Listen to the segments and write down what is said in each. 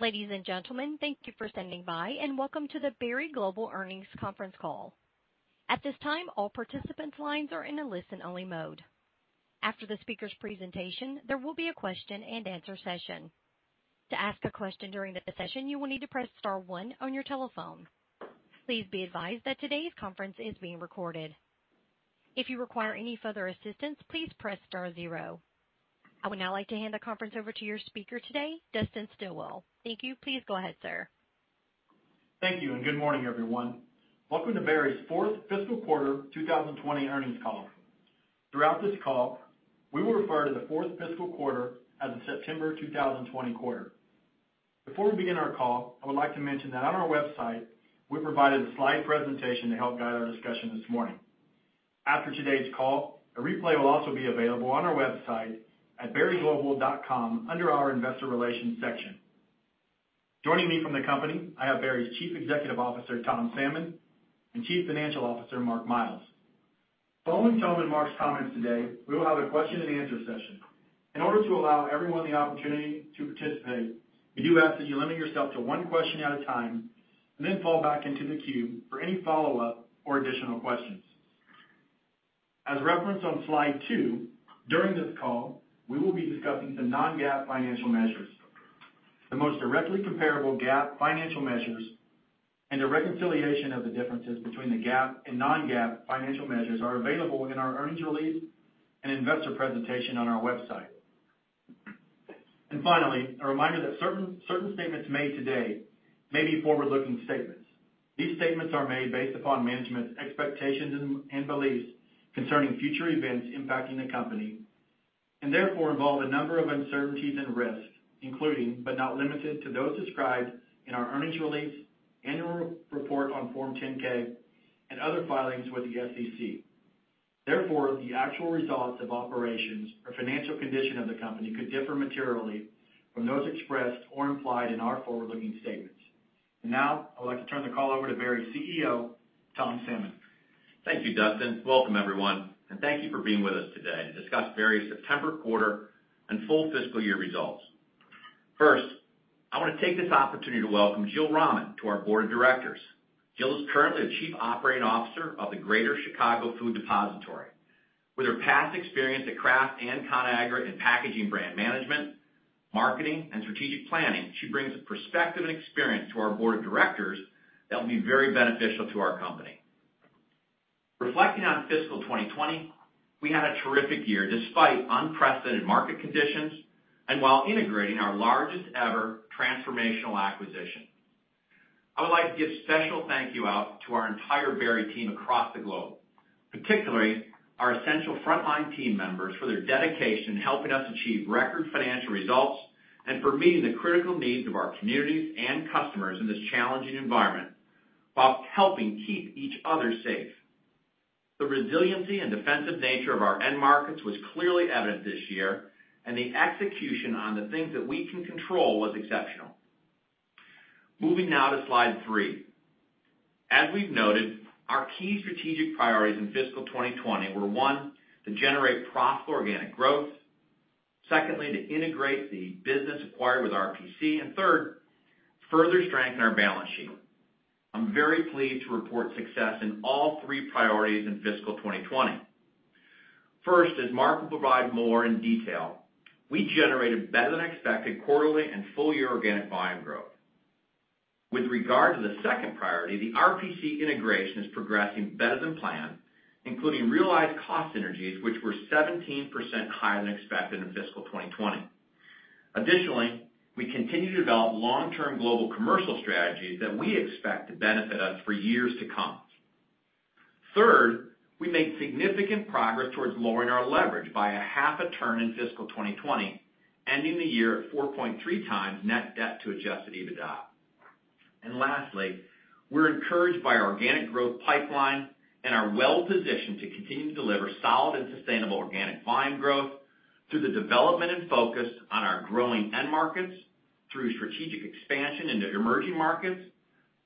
Ladies and gentlemen, thank you for standing by, and welcome to the Berry Global Earnings Conference Call. I would now like to hand the conference over to your speaker today, Dustin Stilwell. Thank you. Please go ahead, sir. Thank you, and good morning, everyone. Welcome to Berry's fourth fiscal quarter 2020 earnings call. Throughout this call, we will refer to the fourth fiscal quarter as the September 2020 quarter. Before we begin our call, I would like to mention that on our website, we provided a slide presentation to help guide our discussion this morning. After today's call, a replay will also be available on our website at berryglobal.com under our investor relations section. Joining me from the company, I have Berry's Chief Executive Officer, Tom Salmon, and Chief Financial Officer, Mark Miles. Following Tom and Mark's comments today, we will have a question and answer session. In order to allow everyone the opportunity to participate, we do ask that you limit yourself to one question at a time, and then fall back into the queue for any follow-up or additional questions. As referenced on slide two, during this call, we will be discussing the non-GAAP financial measures. The most directly comparable GAAP financial measures and a reconciliation of the differences between the GAAP and non-GAAP financial measures are available in our earnings release and investor presentation on our website. Finally, a reminder that certain statements made today may be forward-looking statements. These statements are made based upon management's expectations and beliefs concerning future events impacting the company, and therefore involve a number of uncertainties and risks, including, but not limited to, those described in our earnings release, annual report on Form 10-K and other filings with the SEC. Therefore, the actual results of operations or financial condition of the company could differ materially from those expressed or implied in our forward-looking statements. Now, I would like to turn the call over to Berry's CEO, Tom Salmon. Thank you, Dustin. Welcome everyone, and thank you for being with us today to discuss Berry's September quarter and full fiscal year results. First, I want to take this opportunity to welcome Jill Rahman to our board of directors. Jill is currently the Chief Operating Officer of the Greater Chicago Food Depository. With her past experience at Kraft and Conagra in packaging brand management, marketing, and strategic planning, she brings a perspective and experience to our board of directors that will be very beneficial to our company. Reflecting on fiscal 2020, we had a terrific year despite unprecedented market conditions and while integrating our largest ever transformational acquisition. I would like to give special thank you out to our entire Berry team across the globe, particularly our essential frontline team members for their dedication in helping us achieve record financial results and for meeting the critical needs of our communities and customers in this challenging environment, while helping keep each other safe. The resiliency and defensive nature of our end markets was clearly evident this year, and the execution on the things that we can control was exceptional. Moving now to slide three. As we've noted, our key strategic priorities in fiscal 2020 were, one, to generate profitable organic growth, secondly, to integrate the business acquired with RPC, and third, further strengthen our balance sheet. I'm very pleased to report success in all three priorities in fiscal 2020. First, as Mark will provide more in detail, we generated better than expected quarterly and full year organic volume growth. With regard to the second priority, the RPC integration is progressing better than planned, including realized cost synergies, which were 17% higher than expected in fiscal 2020. Additionally, we continue to develop long-term global commercial strategies that we expect to benefit us for years to come. Third, we made significant progress towards lowering our leverage by a half a turn in fiscal 2020, ending the year at four point three times net debt to adjusted EBITDA. Lastly, we're encouraged by our organic growth pipeline and are well-positioned to continue to deliver solid and sustainable organic volume growth through the development and focus on our growing end markets, through strategic expansion into emerging markets,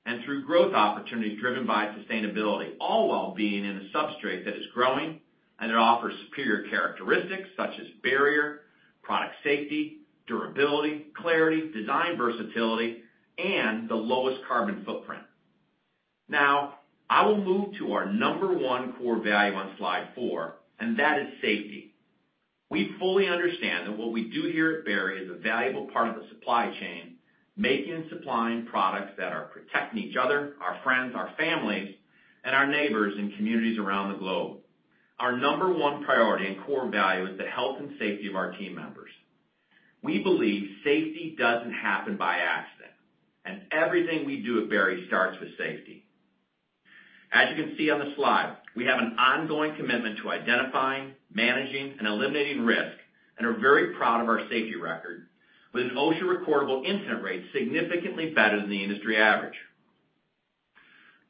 and through growth opportunities driven by sustainability, all while being in a substrate that is growing and that offers superior characteristics such as barrier, product safety, durability, clarity, design versatility, and the lowest carbon footprint. Now, I will move to our number 1 core value on slide four, and that is safety. We fully understand that what we do here at Berry is a valuable part of the supply chain, making and supplying products that are protecting each other, our friends, our families, and our neighbors in communities around the globe. Our number 1 priority and core value is the health and safety of our team members. We believe safety doesn't happen by accident, and everything we do at Berry starts with safety. As you can see on the slide, we have an ongoing commitment to identifying, managing, and eliminating risk, and are very proud of our safety record, with an OSHA recordable incident rate significantly better than the industry average.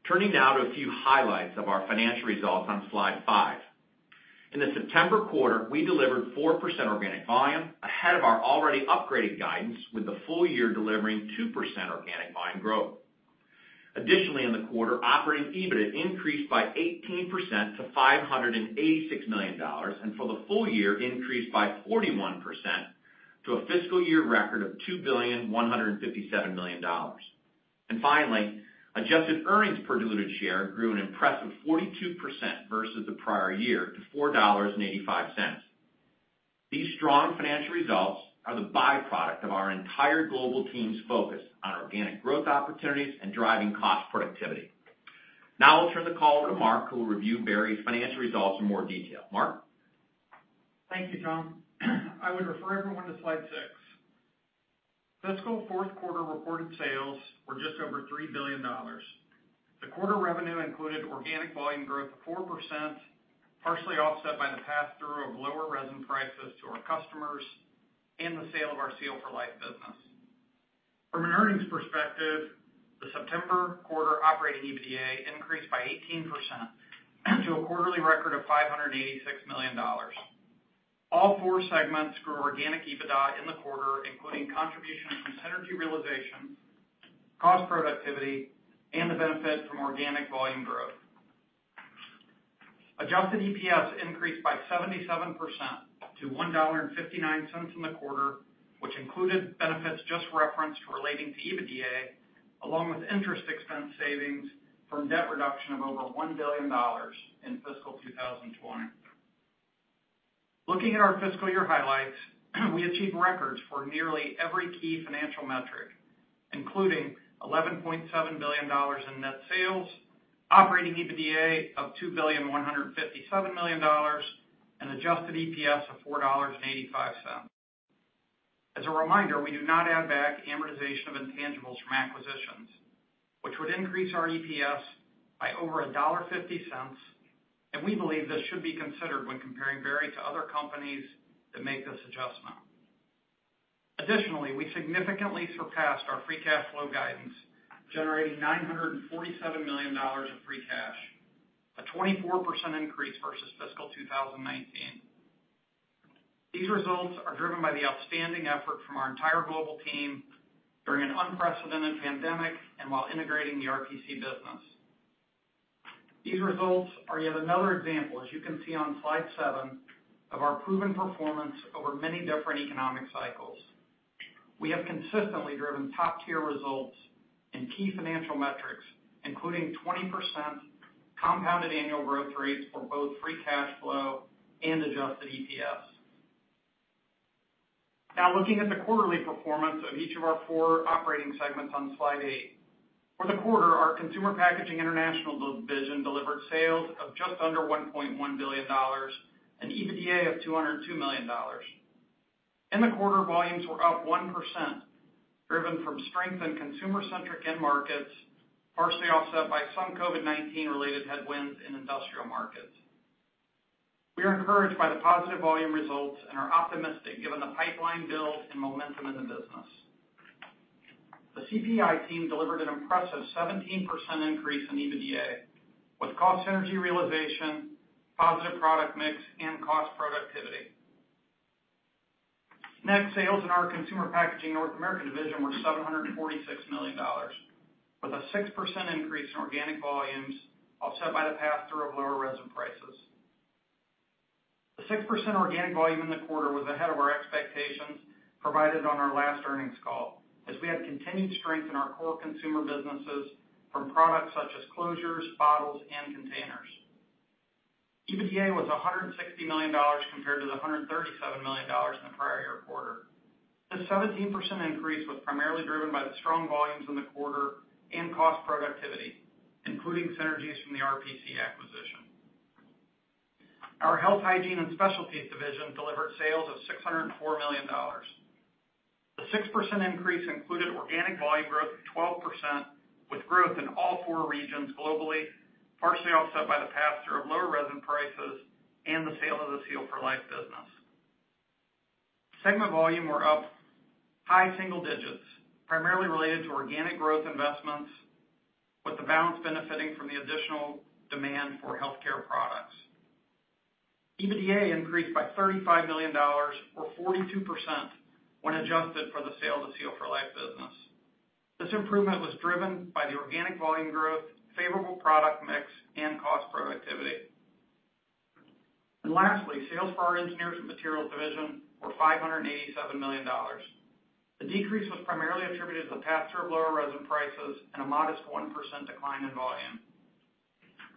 Turning now to a few highlights of our financial results on slide five. In the September quarter, we delivered 4% organic volume, ahead of our already upgraded guidance, with the full year delivering 2% organic volume growth. Additionally, in the quarter, operating EBITDA increased by 18% to $586 million, and for the full year increased by 41% to a fiscal year record of $2,157,000,000. Finally, adjusted earnings per diluted share grew an impressive 42% versus the prior year to $4.85. These strong financial results are the byproduct of our entire global team's focus on organic growth opportunities and driving cost productivity. Now I'll turn the call over to Mark, who will review Berry's financial results in more detail. Mark? Thank you, Tom. I would refer everyone to slide six. Fiscal Q4 reported sales were just over $3 billion. The quarter revenue included organic volume growth of 4%, partially offset by the pass-through of lower resin prices to our customers and the sale of our Seal for Life business. From an earnings perspective, the September quarter operating EBITDA increased by 18% to a quarterly record of $586 million. All four segments grew organic EBITDA in the quarter, including contributions from synergy realization, cost productivity, and the benefit from organic volume growth. Adjusted EPS increased by 77% to $1.59 in the quarter, which included benefits just referenced relating to EBITDA, along with interest expense savings from debt reduction of over $1 billion in fiscal 2020. Looking at our fiscal year highlights, we achieved records for nearly every key financial metric, including $11.7 billion in net sales, operating EBITDA of $2.157 billion, and adjusted EPS of $4.85. As a reminder, we do not add back amortization of intangibles from acquisitions, which would increase our EPS by over $1.50, and we believe this should be considered when comparing Berry to other companies that make this adjustment. Additionally, we significantly surpassed our free cash flow guidance, generating $947 million of free cash, a 24% increase versus fiscal 2019. These results are driven by the outstanding effort from our entire global team during an unprecedented pandemic and while integrating the RPC business. These results are yet another example, as you can see on slide seven, of our proven performance over many different economic cycles. We have consistently driven top-tier results in key financial metrics, including 20% compounded annual growth rates for both free cash flow and adjusted EPS. Now looking at the quarterly performance of each of our four operating segments on slide eight. For the quarter, our Consumer Packaging International division delivered sales of just under $1.1 billion, an EBITDA of $202 million. In the quarter, volumes were up 1%, driven from strength in consumer-centric end markets, partially offset by some COVID-19 related headwinds in industrial markets. We are encouraged by the positive volume results and are optimistic given the pipeline build and momentum in the business. The CPI team delivered an impressive 17% increase in EBITDA, with cost synergy realization, positive product mix, and cost productivity. Sales in our Consumer Packaging – North America division were $746 million, with a 6% increase in organic volumes offset by the pass-through of lower resin prices. The 6% organic volume in the quarter was ahead of our expectations provided on our last earnings call, as we had continued strength in our core consumer businesses from products such as closures, bottles, and containers. EBITDA was $160 million compared to the $137 million in the prior year quarter. The 17% increase was primarily driven by the strong volumes in the quarter and cost productivity, including synergies from the RPC acquisition. Our Health, Hygiene, and Specialties division delivered sales of $604 million. The 6% increase included organic volume growth of 12%, with growth in all four regions globally, partially offset by the pass-through of lower resin prices and the sale of the Seal for Life business. Segment volume were up high single digits, primarily related to organic growth investments, with the balance benefiting from the additional demand for healthcare products. EBITDA increased by $35 million, or 42%, when adjusted for the sale of the Seal for Life business. This improvement was driven by the organic volume growth, favorable product mix, and cost productivity. Lastly, sales for our Engineered Materials division were $587 million. The decrease was primarily attributed to the pass-through of lower resin prices and a modest 1% decline in volume.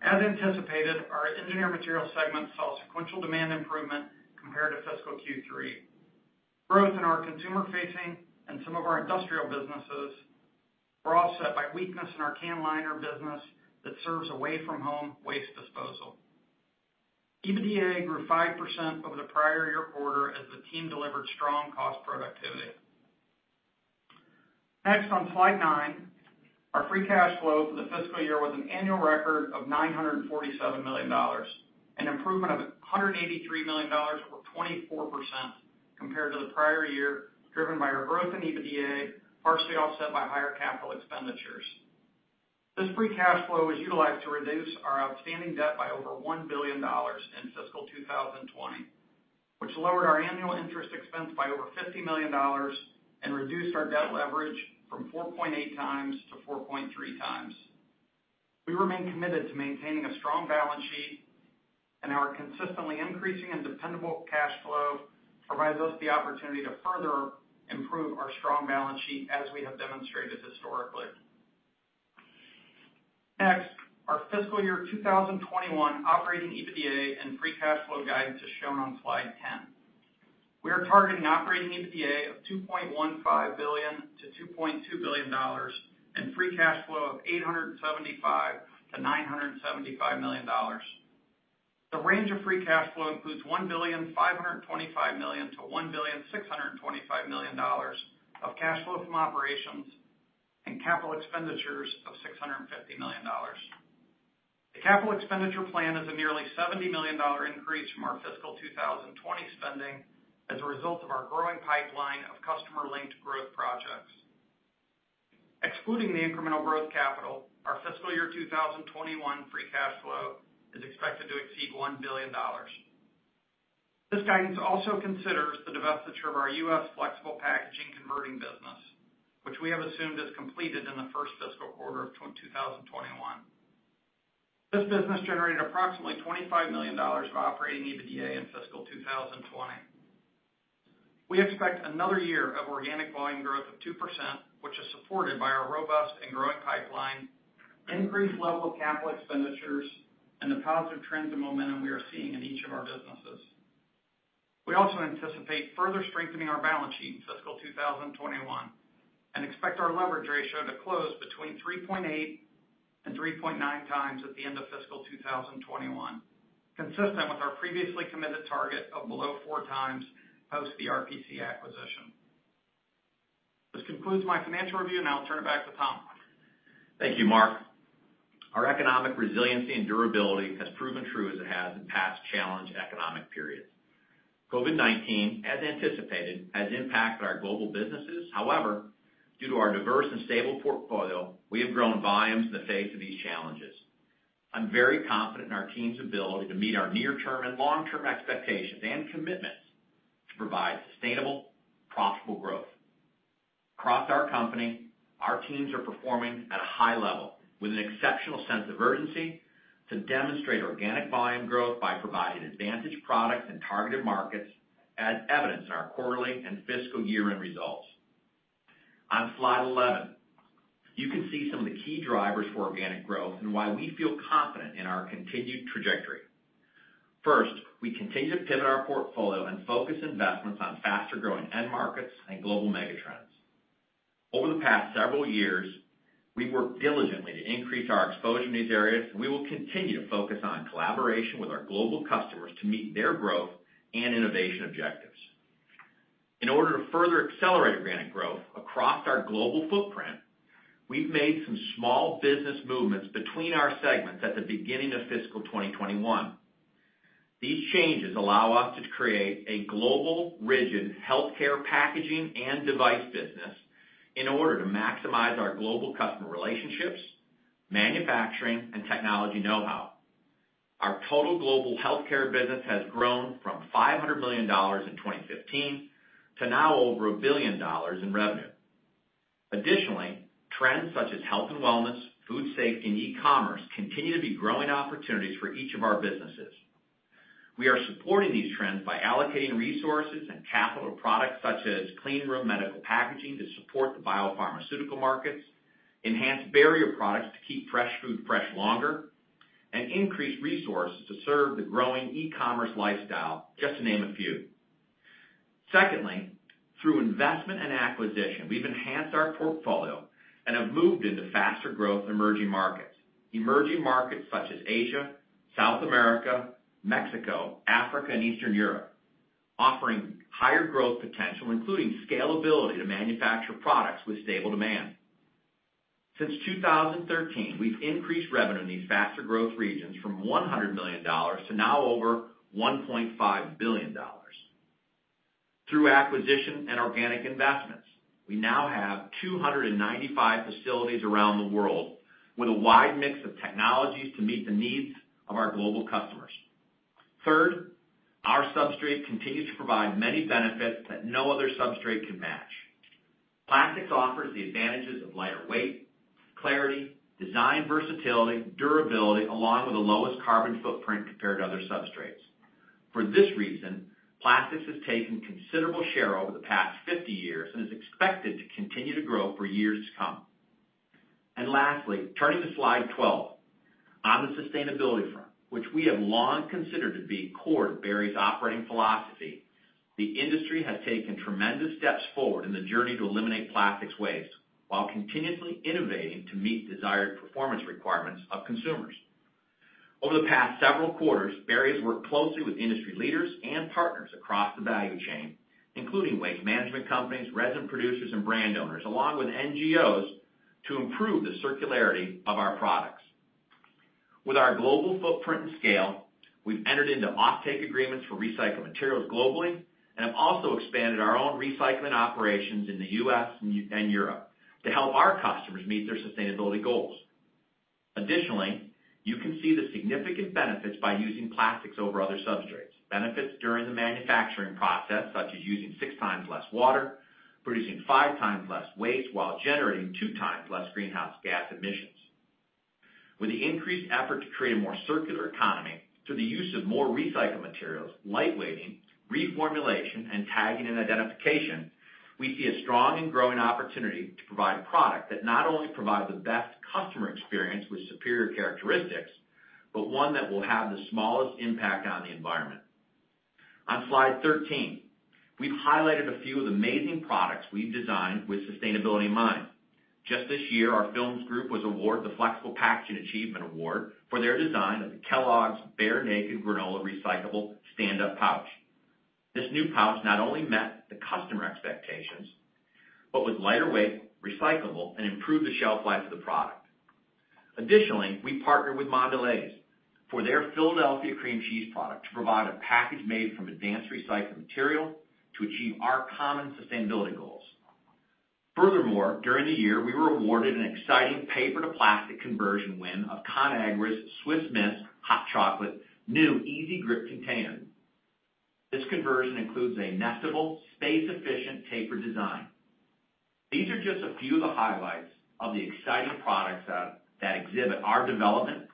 As anticipated, our Engineered Materials segment saw sequential demand improvement compared to fiscal Q3. Growth in our consumer-facing and some of our industrial businesses were offset by weakness in our can liner business that serves away-from-home waste disposal. EBITDA grew 5% over the prior year quarter as the team delivered strong cost productivity. On slide nine, our free cash flow for the fiscal year was an annual record of $947 million, an improvement of $183 million, or 24%, compared to the prior year, driven by our growth in EBITDA, partially offset by higher capital expenditures. This free cash flow was utilized to reduce our outstanding debt by over $1 billion in fiscal 2020, which lowered our annual interest expense by over $50 million and reduced our debt leverage from four point eight times to four point three times. We remain committed to maintaining a strong balance sheet, our consistently increasing and dependable cash flow provides us the opportunity to further improve our strong balance sheet as we have demonstrated historically. Our fiscal year 2021 operating EBITDA and free cash flow guidance is shown on slide 10. We are targeting operating EBITDA of $2.15 billion-$2.2 billion, and free cash flow of $875 million-$975 million. The range of free cash flow includes $1,525 million-$1,625 million of cash flow from operations, and capital expenditures of $650 million. The capital expenditure plan is a nearly $70 million increase from our fiscal 2020 spending as a result of our growing pipeline of customer-linked growth projects. Excluding the incremental growth capital, our fiscal year 2021 free cash flow is expected to exceed $1 billion. This guidance also considers the divestiture of our U.S. flexible packaging converting business, which we have assumed is completed in the first fiscal quarter of 2021. This business generated approximately $25 million of operating EBITDA in fiscal 2020. We expect another year of organic volume growth of 2%, which is supported by our robust and growing pipeline, increased level of capital expenditures, and the positive trends and momentum we are seeing in each of our businesses. We also anticipate further strengthening our balance sheet in fiscal 2021, and expect our leverage ratio to close between 3.8 and 3.9 times at the end of fiscal 2021. Consistent with our previously committed target of below four times post the RPC acquisition. This concludes my financial review, and I'll turn it back to Tom. Thank you, Mark. Our economic resiliency and durability has proven true as it has in past challenged economic periods. COVID-19, as anticipated, has impacted our global businesses. However, due to our diverse and stable portfolio, we have grown volumes in the face of these challenges. I'm very confident in our team's ability to meet our near-term and long-term expectations and commitments to provide sustainable, profitable growth. Across our company, our teams are performing at a high level with an exceptional sense of urgency to demonstrate organic volume growth by providing advantage products and targeted markets, as evidenced in our quarterly and fiscal year-end results. On slide 11, you can see some of the key drivers for organic growth and why we feel confident in our continued trajectory. First, we continue to pivot our portfolio and focus investments on faster-growing end markets and global mega trends. Over the past several years, we've worked diligently to increase our exposure in these areas, and we will continue to focus on collaboration with our global customers to meet their growth and innovation objectives. In order to further accelerate organic growth across our global footprint, we've made some small business movements between our segments at the beginning of fiscal 2021. These changes allow us to create a global rigid healthcare packaging and device business in order to maximize our global customer relationships, manufacturing, and technology know-how. Our total global healthcare business has grown from $500 million in 2015 to now over $1 billion in revenue. Additionally, trends such as health and wellness, food safety, and e-commerce continue to be growing opportunities for each of our businesses. We are supporting these trends by allocating resources and capital products such as clean room medical packaging to support the biopharmaceutical markets, enhance barrier products to keep fresh food fresh longer, and increase resources to serve the growing e-commerce lifestyle, just to name a few. Secondly, through investment and acquisition, we've enhanced our portfolio and have moved into faster-growth emerging markets. Emerging markets such as Asia, South America, Mexico, Africa, and Eastern Europe, offering higher growth potential, including scalability to manufacture products with stable demand. Since 2013, we've increased revenue in these faster growth regions from $100 million to now over $1.5 billion. Through acquisition and organic investments, we now have 295 facilities around the world with a wide mix of technologies to meet the needs of our global customers. Third, our substrate continues to provide many benefits that no other substrate can match. Plastics offers the advantages of lighter weight, clarity, design versatility, durability, along with the lowest carbon footprint compared to other substrates. For this reason, plastics has taken considerable share over the past 50 years and is expected to continue to grow for years to come. Lastly, turning to slide 12. On the sustainability front, which we have long considered to be core to Berry's operating philosophy, the industry has taken tremendous steps forward in the journey to eliminate plastics waste while continuously innovating to meet desired performance requirements of consumers. Over the past several quarters, Berry has worked closely with industry leaders and partners across the value chain, including waste management companies, resin producers, and brand owners, along with NGOs, to improve the circularity of our products. With our global footprint and scale, we've entered into offtake agreements for recycled materials globally and have also expanded our own recycling operations in the U.S. and Europe to help our customers meet their sustainability goals. You can see the significant benefits by using plastics over other substrates. Benefits during the manufacturing process, such as using six times less water, producing five times less waste, while generating two times less greenhouse gas emissions. With the increased effort to create a more circular economy through the use of more recycled materials, lightweighting, reformulation and tagging and identification, we see a strong and growing opportunity to provide a product that not only provides the best customer experience with superior characteristics, but one that will have the smallest impact on the environment. On slide 13, we've highlighted a few of the amazing products we've designed with sustainability in mind. Just this year, our films group was awarded the Flexible Packaging Achievement Award for their design of the Kellogg's Bear Naked granola recyclable stand-up pouch. This new pouch not only met the customer expectations, but was lighter weight, recyclable, and improved the shelf life of the product. Additionally, we partnered with Mondelēz for their Philadelphia cream cheese product to provide a package made from advanced recycled material to achieve our common sustainability goals. Furthermore, during the year, we were awarded an exciting paper-to-plastic conversion win of Conagra's Swiss Miss hot chocolate new easy grip container. This conversion includes a nestable, space-efficient tapered design. These are just a few of the highlights of the exciting products that exhibit our development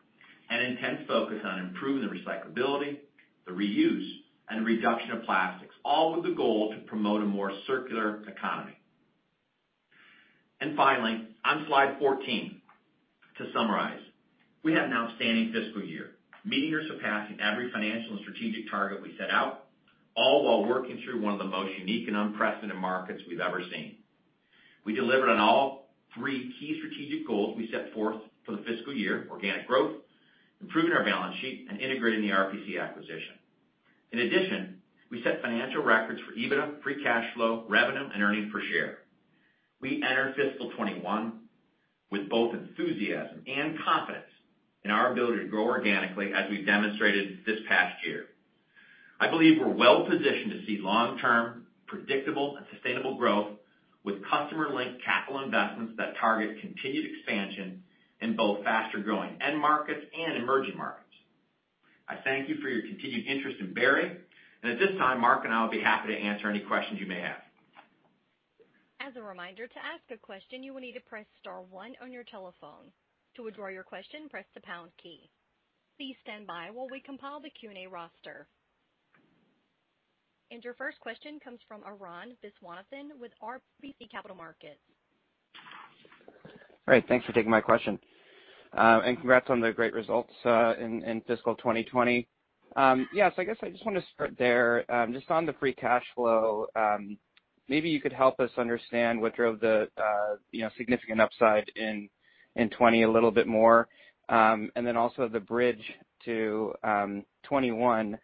and intense focus on improving the recyclability, the reuse, and the reduction of plastics, all with the goal to promote a more circular economy. Finally, on slide 14, to summarize, we had an outstanding fiscal year, meeting or surpassing every financial and strategic target we set out, all while working through one of the most unique and unprecedented markets we've ever seen. We delivered on all three key strategic goals we set forth for the fiscal year: organic growth, improving our balance sheet, and integrating the RPC acquisition. In addition, we set financial records for EBITDA, free cash flow, revenue, and earnings per share. We enter fiscal 2021 with both enthusiasm and confidence in our ability to grow organically as we've demonstrated this past year. I believe we're well positioned to see long-term, predictable, and sustainable growth with customer-linked capital investments that target continued expansion in both faster-growing end markets and emerging markets. I thank you for your continued interest in Berry, and at this time, Mark and I will be happy to answer any questions you may have. Your first question comes from Arun Viswanathan with RBC Capital Markets. All right. Thanks for taking my question. Congrats on the great results in fiscal 2020. Yeah. I guess I just want to start there. Just on the free cash flow, maybe you could help us understand what drove the significant upside in 2020 a little bit more. Also the bridge to 2021.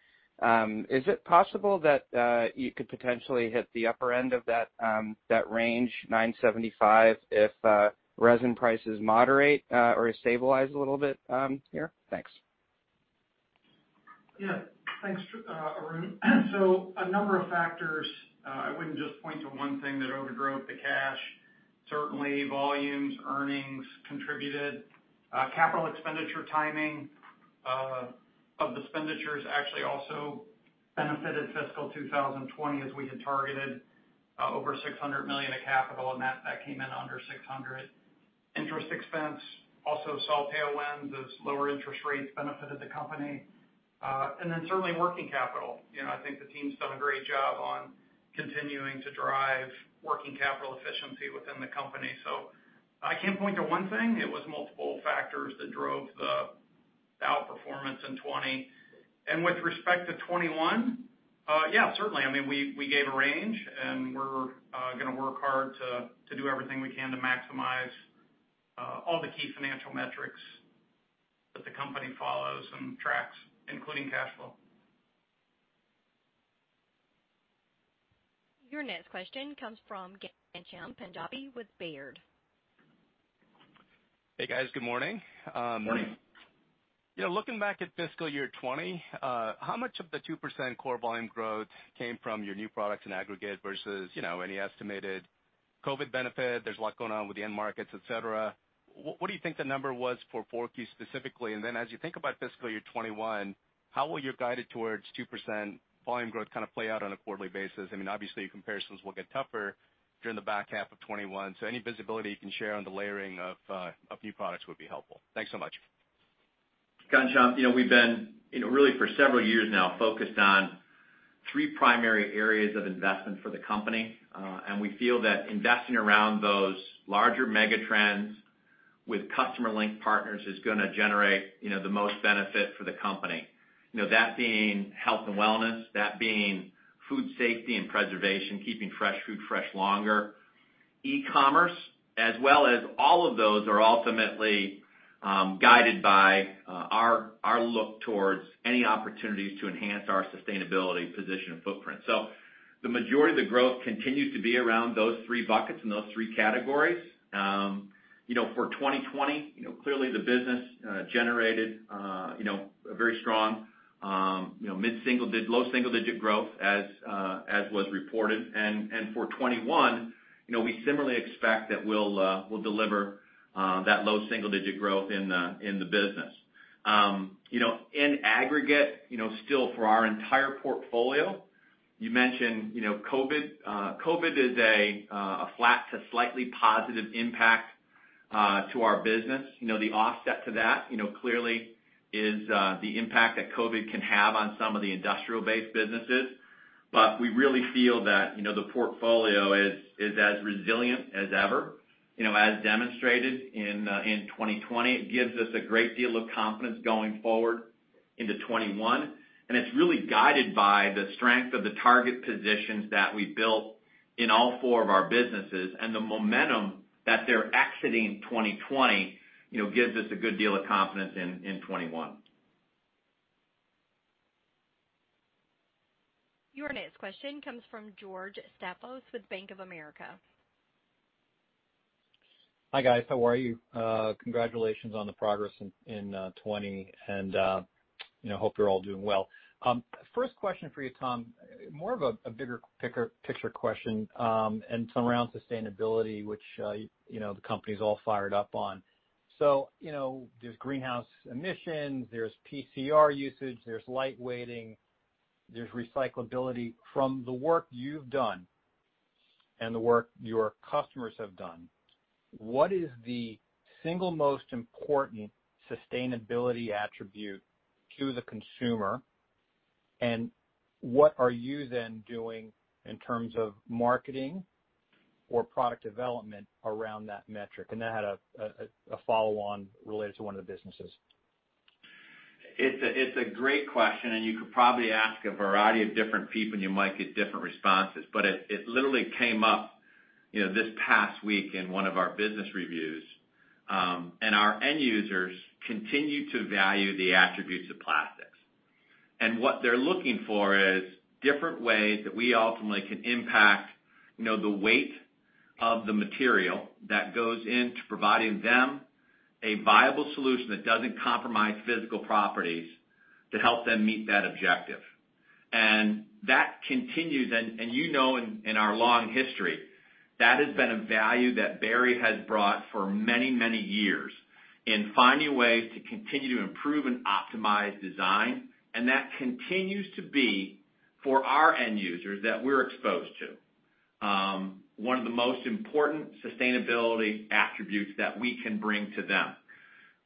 Is it possible that you could potentially hit the upper end of that range, $975, if resin prices moderate or stabilize a little bit here? Thanks. Yeah. Thanks, Arun. A number of factors. I wouldn't just point to one thing that overgrew the cash. Certainly volumes, earnings contributed. Capital expenditure timing of the expenditures actually also benefited fiscal 2020 as we had targeted over $600 million of capital, and that came in under $600 million. Interest expense also saw tailwinds as lower interest rates benefited the company. Certainly working capital. I think the team's done a great job on continuing to drive working capital efficiency within the company. I can't point to one thing. It was multiple factors that drove the outperformance in 2020. With respect to 2021, yeah, certainly. We gave a range, and we're going to work hard to do everything we can to maximize all the key financial metrics that the company follows and tracks, including cash flow. Your next question comes from Ghansham Panjabi with Baird. Hey, guys. Good morning. Morning. Looking back at fiscal year 2020, how much of the 2% core volume growth came from your new products in aggregate versus any estimated COVID benefit? There's a lot going on with the end markets, et cetera. What do you think the number was for 4Q specifically? Then as you think about fiscal year 2021, how will your guided towards 2% volume growth kind of play out on a quarterly basis? Obviously comparisons will get tougher during the back half of 2021, so any visibility you can share on the layering of new products would be helpful. Thanks so much. Ghansham, we've been, really for several years now, focused on three primary areas of investment for the company. We feel that investing around those larger mega trends with customer link partners is going to generate the most benefit for the company. That being health and wellness, that being food safety and preservation, keeping fresh food fresh longer. E-commerce, as well as all of those are ultimately guided by our look towards any opportunities to enhance our sustainability position and footprint. The majority of the growth continues to be around those three buckets and those three categories. For 2020, clearly the business generated a very strong low single-digit growth as was reported. For 2021, we similarly expect that we'll deliver that low single-digit growth in the business. In aggregate, still for our entire portfolio, you mentioned COVID. COVID is a flat to slightly positive impact to our business. The offset to that, clearly is the impact that COVID can have on some of the industrial-based businesses. We really feel that the portfolio is as resilient as ever. As demonstrated in 2020, it gives us a great deal of confidence going forward into 2021, and it's really guided by the strength of the target positions that we built in all four of our businesses, and the momentum that they're exiting 2020 gives us a good deal of confidence in 2021. Your next question comes from George Staphos with Bank of America. Hi, guys. How are you? Congratulations on the progress in 2020. Hope you're all doing well. First question for you, Tom, more of a bigger picture question. It's around sustainability, which the company's all fired up on. There's greenhouse emissions, there's PCR usage, there's lightweighting, there's recyclability. From the work you've done and the work your customers have done, what is the single most important sustainability attribute to the consumer, and what are you then doing in terms of marketing or product development around that metric? That had a follow-on related to one of the businesses. It's a great question, and you could probably ask a variety of different people, and you might get different responses. It literally came up this past week in one of our business reviews. Our end users continue to value the attributes of plastics. What they're looking for is different ways that we ultimately can impact the weight of the material that goes into providing them a viable solution that doesn't compromise physical properties to help them meet that objective. That continues, and you know in our long history, that has been a value that Berry has brought for many, many years in finding ways to continue to improve and optimize design, and that continues to be for our end users that we're exposed to one of the most important sustainability attributes that we can bring to them.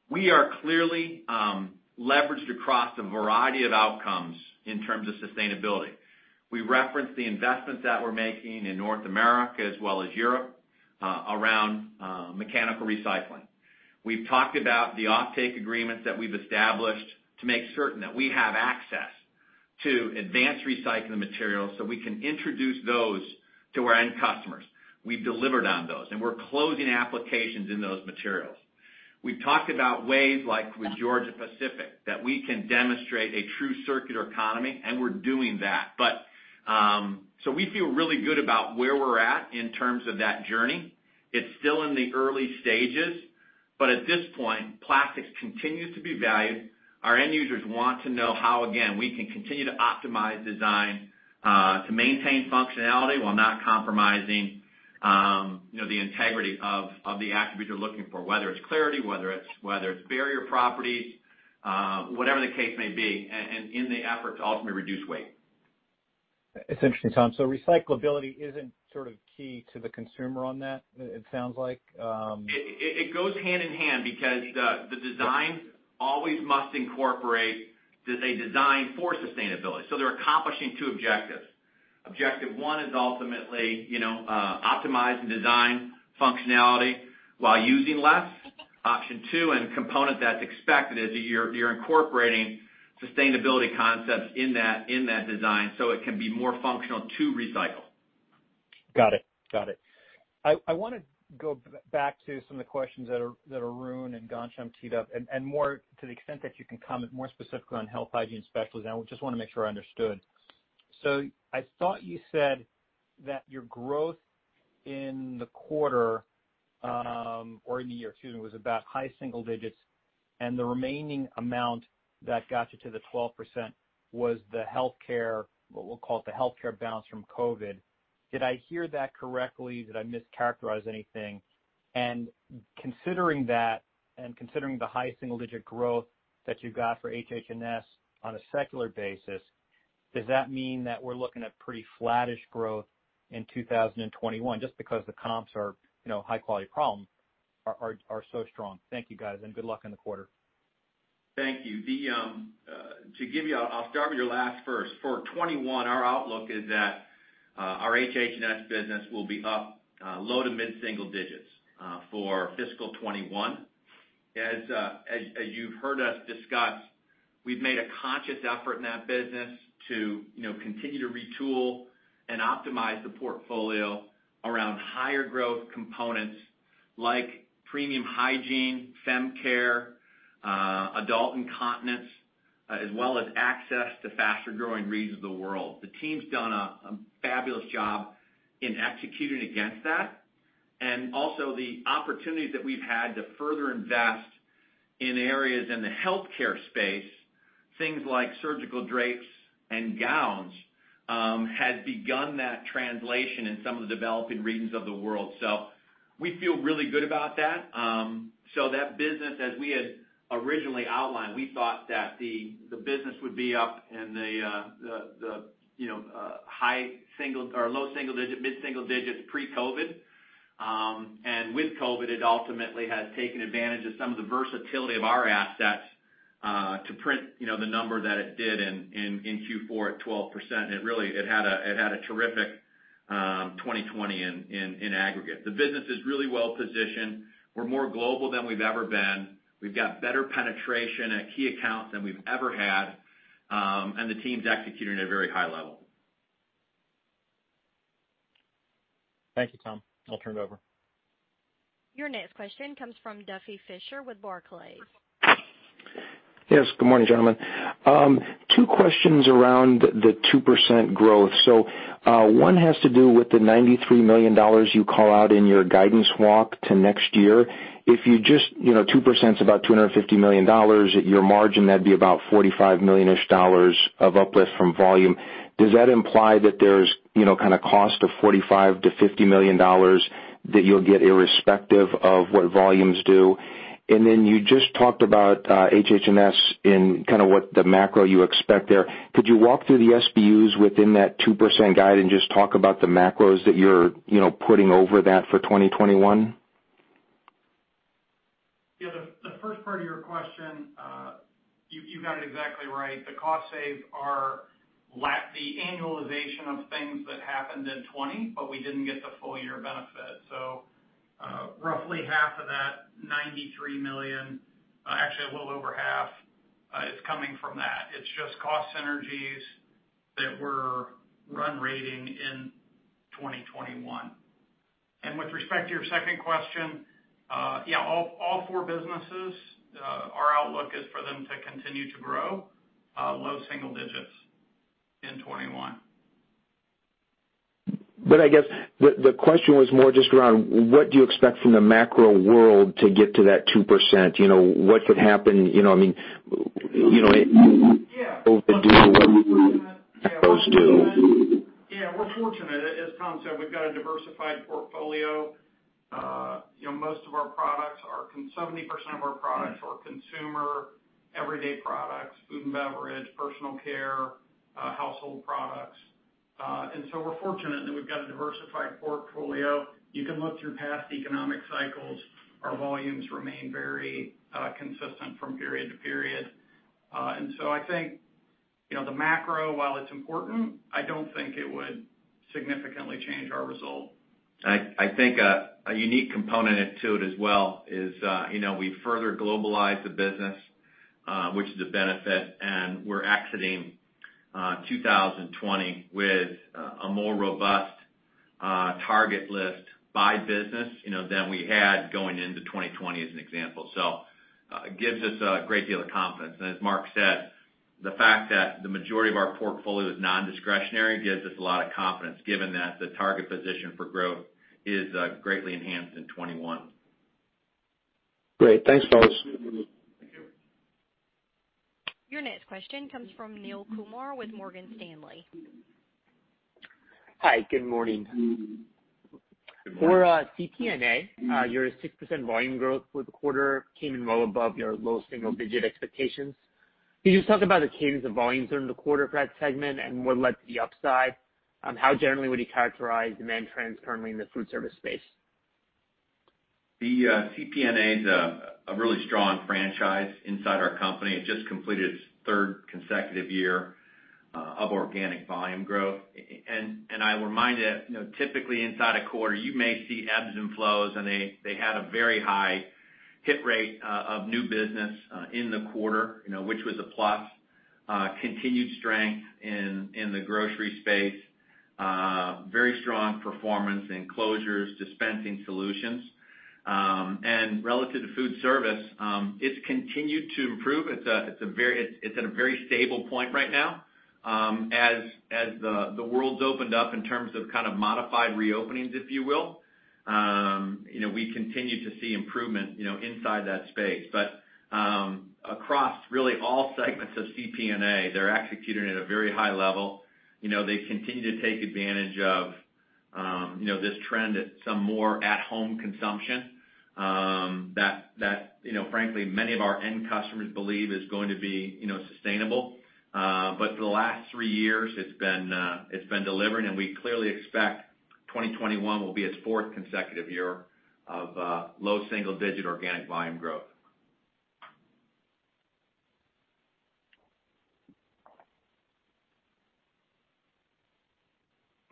We are clearly leveraged across a variety of outcomes in terms of sustainability. We referenced the investments that we're making in North America as well as Europe around mechanical recycling. We've talked about the offtake agreements that we've established to make certain that we have access to advanced recycling materials so we can introduce those to our end customers. We've delivered on those, and we're closing applications in those materials. We've talked about ways like with Georgia-Pacific that we can demonstrate a true circular economy, and we're doing that. We feel really good about where we're at in terms of that journey. It's still in the early stages, but at this point, plastics continues to be valued. Our end users want to know how, again, we can continue to optimize design to maintain functionality while not compromising the integrity of the attributes they're looking for, whether it's clarity, whether it's barrier properties, whatever the case may be, and in the effort to ultimately reduce weight. It's interesting, Tom. Recyclability isn't sort of key to the consumer on that, it sounds like. It goes hand in hand because the designs always must incorporate a design for sustainability. They're accomplishing two objectives. Objective one is ultimately optimizing design functionality while using less. Option two, and component that's expected, is that you're incorporating sustainability concepts in that design, so it can be more functional to recycle. Got it. I want to go back to some of the questions that Arun and Ghansham teed up, and more to the extent that you can comment more specifically on Health, Hygiene, and Specialties. I just want to make sure I understood. I thought you said that your growth in the quarter, or in the year, excuse me, was about high single digits, and the remaining amount that got you to the 12% was the healthcare, what we'll call the healthcare bounce from COVID. Did I hear that correctly? Did I mischaracterize anything? Considering that and considering the high single-digit growth that you've got for HH&S on a secular basis, does that mean that we're looking at pretty flattish growth in 2021 just because the comps are high quality problem are so strong? Thank you, guys, and good luck in the quarter. Thank you. I'll start with your last first. For 2021, our outlook is that our HH&S business will be up low to mid-single digits for fiscal 2021. As you've heard us discuss, we've made a conscious effort in that business to continue to retool and optimize the portfolio around higher growth components like premium hygiene, fem care, adult incontinence, as well as access to faster growing reads of the world. The team's done a fabulous job in executing against that. The opportunities that we've had to further invest in areas in the healthcare space, things like surgical drapes and gowns, had begun that translation in some of the developing regions of the world. We feel really good about that. That business, as we had originally outlined, we thought that the business would be up in the low single digit, mid-single digits pre-COVID. With COVID, it ultimately has taken advantage of some of the versatility of our assets to print the number that it did in Q4 at 12%. It really had a terrific 2020 in aggregate. The business is really well-positioned. We're more global than we've ever been. We've got better penetration at key accounts than we've ever had. The team's executing at a very high level. Thank you, Tom. I'll turn it over. Your next question comes from Duffy Fischer with Barclays. Yes. Good morning, gentlemen. Two questions around the 2% growth. One has to do with the $93 million you call out in your guidance walk to next year. 2%'s about $250 million. At your margin, that'd be about $45 million-ish of uplift from volume. Does that imply that there's kind of cost of $45 million to $50 million that you'll get irrespective of what volumes do? You just talked about HH&S in kind of what the macro you expect there. Could you walk through the SBUs within that 2% guide and just talk about the macros that you're putting over that for 2021? Yeah, the first part of your question, you got it exactly right. The cost saves are the annualization of things that happened in 2020, we didn't get the full year benefit. Roughly half of that $93 million, actually a little over half, is coming from that. It's just cost synergies that we're run rating in 2021. With respect to your second question, yeah, all four businesses, our outlook is for them to continue to grow low single digits in 2021. I guess the question was more just around, what do you expect from the macro world to get to that 2%? What could happen? Yeah. We're fortunate. As Tom said, we've got a diversified portfolio. 70% of our products are consumer everyday products, food and beverage, personal care, household products. We're fortunate that we've got a diversified portfolio. You can look through past economic cycles. Our volumes remain very consistent from period to period. I think, the macro, while it's important, I don't think it would significantly change our result. I think a unique component to it as well is, we further globalized the business, which is a benefit, and we're exiting 2020 with a more robust target list by business than we had going into 2020, as an example. It gives us a great deal of confidence. As Mark said, the fact that the majority of our portfolio is non-discretionary gives us a lot of confidence given that the target position for growth is greatly enhanced in 2021. Great. Thanks, fellas. Thank you. Your next question comes from Neel Kumar with Morgan Stanley. Hi, good morning. Good morning. For CPNA, your 6% volume growth for the quarter came in well above your low single-digit expectations. Can you just talk about the cadence of volumes during the quarter for that segment and what led to the upside? How generally would you characterize demand trends currently in the food service space? The CPNA's a really strong franchise inside our company. It just completed its third consecutive year of organic volume growth. I remind that, typically inside a quarter, you may see ebbs and flows, they had a very high hit rate of new business in the quarter, which was a plus. Continued strength in the grocery space. Very strong performance in closures, dispensing solutions. Relative to food service, it's continued to improve. It's at a very stable point right now. As the world's opened up in terms of kind of modified reopenings, if you will, we continue to see improvement inside that space. Across really all segments of CPNA, they're executing at a very high level. They continue to take advantage of this trend at some more at-home consumption that frankly many of our end customers believe is going to be sustainable. For the last three years, it's been delivering, and we clearly expect 2021 will be its fourth consecutive year of low single-digit organic volume growth.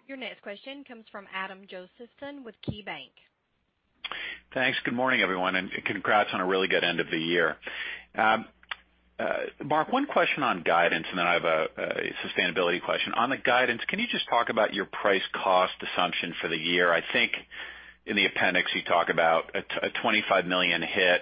Your next question comes from Adam Josephson with KeyBanc. Thanks. Good morning, everyone. Congrats on a really good end of the year. Mark, one question on guidance. Then I have a sustainability question. On the guidance, can you just talk about your price cost assumption for the year? I think in the appendix, you talk about a $25 million hit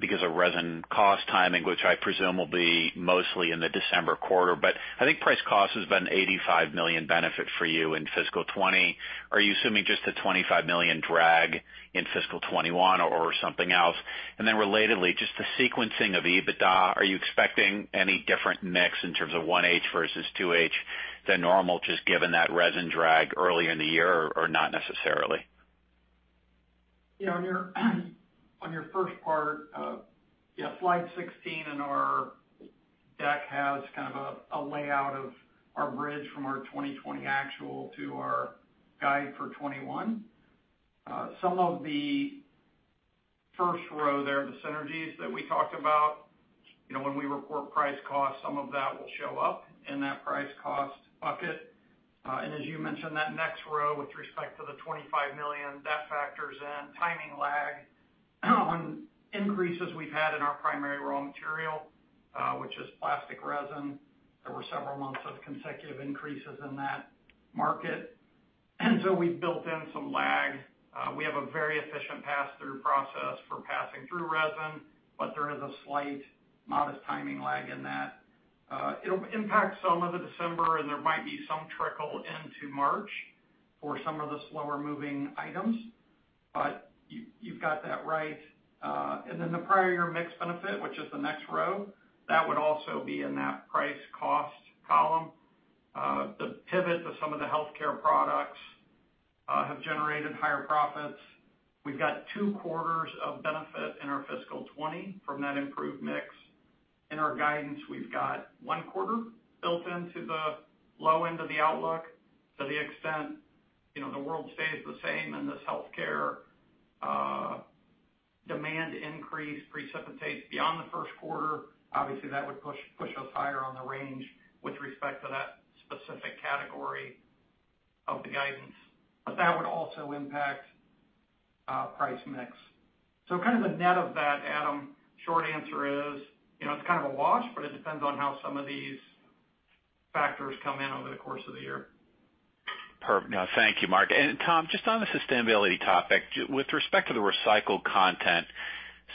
because of resin cost timing, which I presume will be mostly in the December quarter. I think price cost has been an $85 million benefit for you in fiscal 2020. Are you assuming just a $25 million drag in fiscal 2021 or something else? Then relatedly, just the sequencing of EBITDA, are you expecting any different mix in terms of 1H versus 2H than normal, just given that resin drag earlier in the year, or not necessarily? On your first part, yeah, slide 16 in our deck has kind of a layout of our bridge from our 2020 actual to our guide for 2021. Some of the first row there, the synergies that we talked about. When we report price cost, some of that will show up in that price cost bucket. As you mentioned, that next row with respect to the $25 million, that factors in timing lag on increases we've had in our primary raw material, which is plastic resin. There were several months of consecutive increases in that market, and so we've built in some lag. We have a very efficient pass-through process for passing through resin, but there is a slight modest timing lag in that. It'll impact some of the December, and there might be some trickle into March for some of the slower moving items, but you've got that right. The prior year mix benefit, which is the next row, that would also be in that price/cost column. The pivot to some of the healthcare products have generated higher profits. We've got two quarters of benefit in our fiscal 2020 from that improved mix. In our guidance, we've got one quarter built into the low end of the outlook. To the extent the world stays the same and this healthcare demand increase precipitates beyond the Q1, obviously that would push us higher on the range with respect to that specific category of the guidance. That would also impact price/mix. Kind of the net of that, Adam, short answer is, it's kind of a wash, but it depends on how some of these factors come in over the course of the year. Perfect. No, thank you, Mark. Tom, just on the sustainability topic, with respect to the recycled content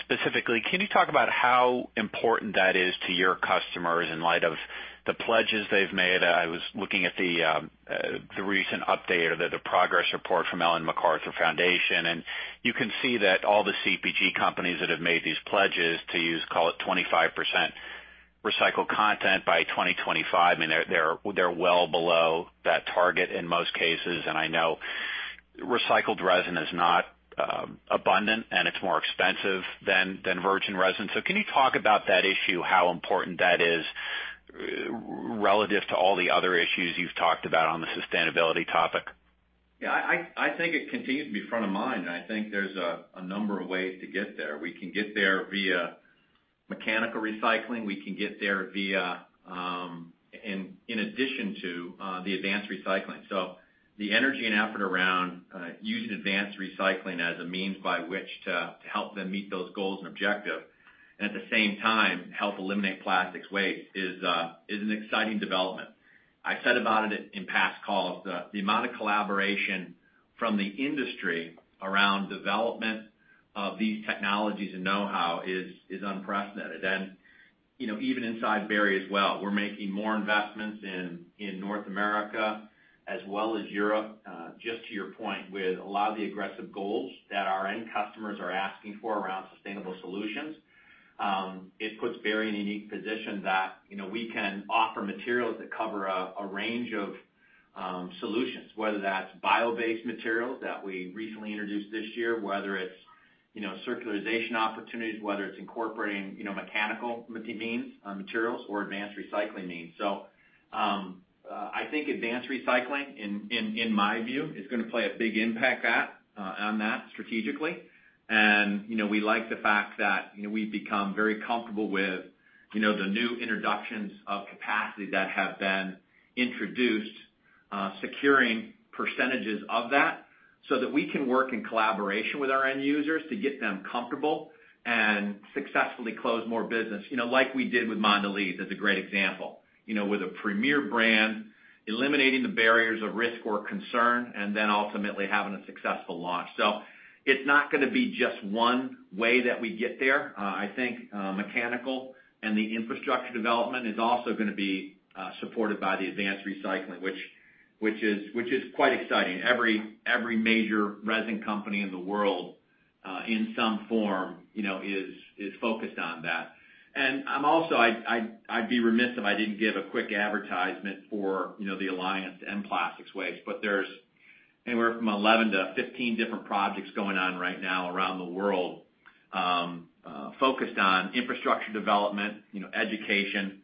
specifically, can you talk about how important that is to your customers in light of the pledges they've made? I was looking at the recent update or the progress report from Ellen MacArthur Foundation, and you can see that all the CPG companies that have made these pledges to use, call it 25% recycled content by 2025, they're well below that target in most cases. I know recycled resin is not abundant, and it's more expensive than virgin resin. Can you talk about that issue, how important that is relative to all the other issues you've talked about on the sustainability topic? Yeah, I think it continues to be front of mind, and I think there's a number of ways to get there. We can get there via mechanical recycling. We can get there in addition to the advanced recycling. The energy and effort around using advanced recycling as a means by which to help them meet those goals and objective, and at the same time help eliminate plastics waste, is an exciting development. I've said about it in past calls, the amount of collaboration from the industry around development of these technologies and know-how is unprecedented. Even inside Berry as well, we're making more investments in North America as well as Europe. Just to your point, with a lot of the aggressive goals that our end customers are asking for around sustainable solutions, it puts Berry in a unique position that we can offer materials that cover a range of solutions, whether that's bio-based materials that we recently introduced this year, whether it's circularization opportunities, whether it's incorporating mechanical means, materials or advanced recycling means. I think advanced recycling, in my view, is going to play a big impact on that strategically. We like the fact that we've become very comfortable with the new introductions of capacity that have been introduced, securing percentages of that so that we can work in collaboration with our end users to get them comfortable and successfully close more business, like we did with Mondelēz as a great example. With a premier brand, eliminating the barriers of risk or concern, and then ultimately having a successful launch. It's not going to be just one way that we get there. I think mechanical and the infrastructure development is also going to be supported by the advanced recycling, which is quite exciting. Every major resin company in the world, in some form, is focused on that. Also, I'd be remiss if I didn't give a quick advertisement for the Alliance to End Plastic Waste, but there's anywhere from 11 to 15 different projects going on right now around the world, focused on infrastructure development, education,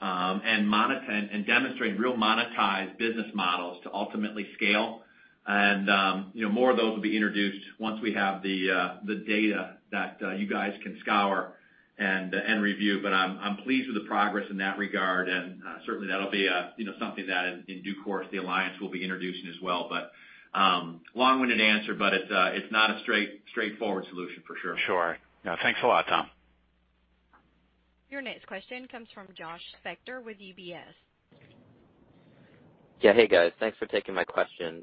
and demonstrating real monetized business models to ultimately scale. More of those will be introduced once we have the data that you guys can scour and review. I'm pleased with the progress in that regard, and certainly that'll be something that in due course the Alliance will be introducing as well. Long-winded answer, but it's not a straightforward solution for sure. Sure. No, thanks a lot. Your next question comes from Joshua Spector with UBS. Yeah. Hey, guys. Thanks for taking my question.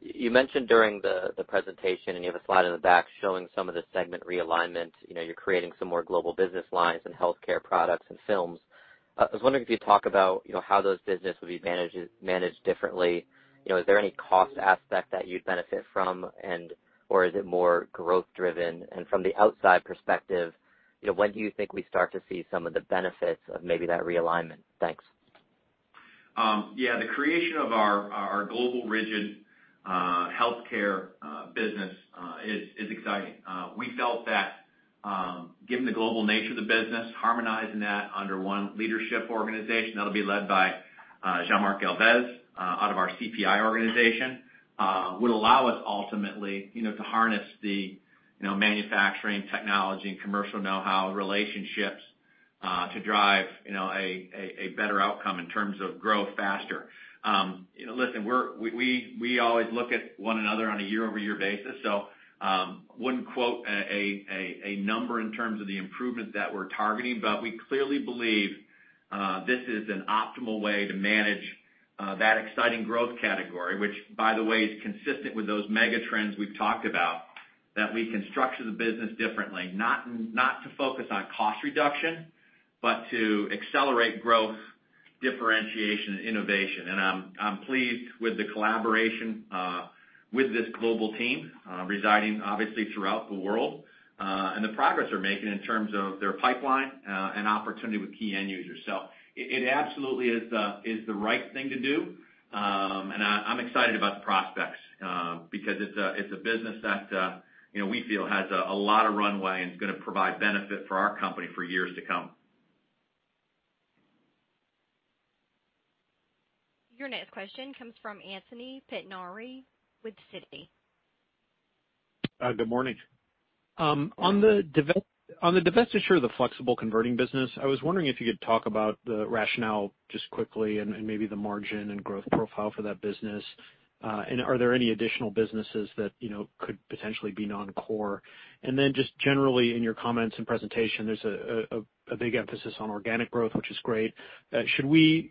You mentioned during the presentation, and you have a slide in the back showing some of the segment realignment. You're creating some more global business lines in healthcare products and films. I was wondering if you'd talk about how those business will be managed differently. Is there any cost aspect that you'd benefit from, or is it more growth driven? From the outside perspective, when do you think we start to see some of the benefits of maybe that realignment? Thanks. Yeah. The creation of our global rigid healthcare business is exciting. We felt that given the global nature of the business, harmonizing that under one leadership organization, that'll be led by Jean-Marc Galvez out of our CPI organization, would allow us ultimately to harness the manufacturing technology and commercial knowhow relationships to drive a better outcome in terms of growth faster. Listen, we always look at one another on a year-over-year basis, so wouldn't quote a number in terms of the improvement that we're targeting, but we clearly believe this is an optimal way to manage that exciting growth category, which by the way, is consistent with those mega trends we've talked about, that we can structure the business differently, not to focus on cost reduction, but to accelerate growth, differentiation, and innovation. I'm pleased with the collaboration with this global team residing obviously throughout the world, and the progress they're making in terms of their pipeline and opportunity with key end users. It absolutely is the right thing to do. I'm excited about the prospects, because it's a business that we feel has a lot of runway and is going to provide benefit for our company for years to come. Your next question comes from Anthony Pettinari with Citi. Good morning. On the divestiture of the flexible converting business, I was wondering if you could talk about the rationale just quickly and maybe the margin and growth profile for that business. Are there any additional businesses that could potentially be non-core? Just generally in your comments and presentation, there's a big emphasis on organic growth, which is great. Should we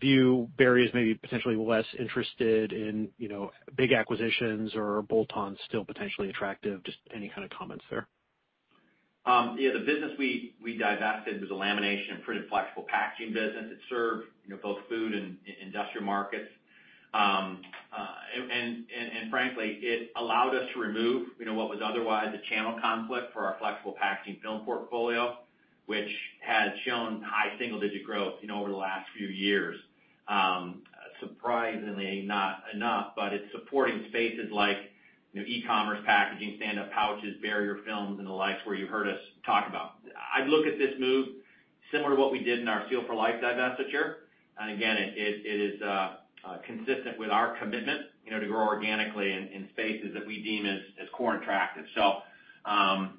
view Berry as maybe potentially less interested in big acquisitions or are bolt-ons still potentially attractive? Just any kind of comments there. Yeah. The business we divested was a lamination and printed flexible packaging business. It served both food and industrial markets. Frankly, it allowed us to remove what was otherwise a channel conflict for our flexible packaging film portfolio, which has shown high single-digit growth over the last few years. Surprisingly not enough, it's supporting spaces like e-commerce packaging, standup pouches, barrier films, and the likes where you heard us talk about. I'd look at this move similar to what we did in our Seal for Life divestiture. Again, it is consistent with our commitment to grow organically in spaces that we deem as core and attractive.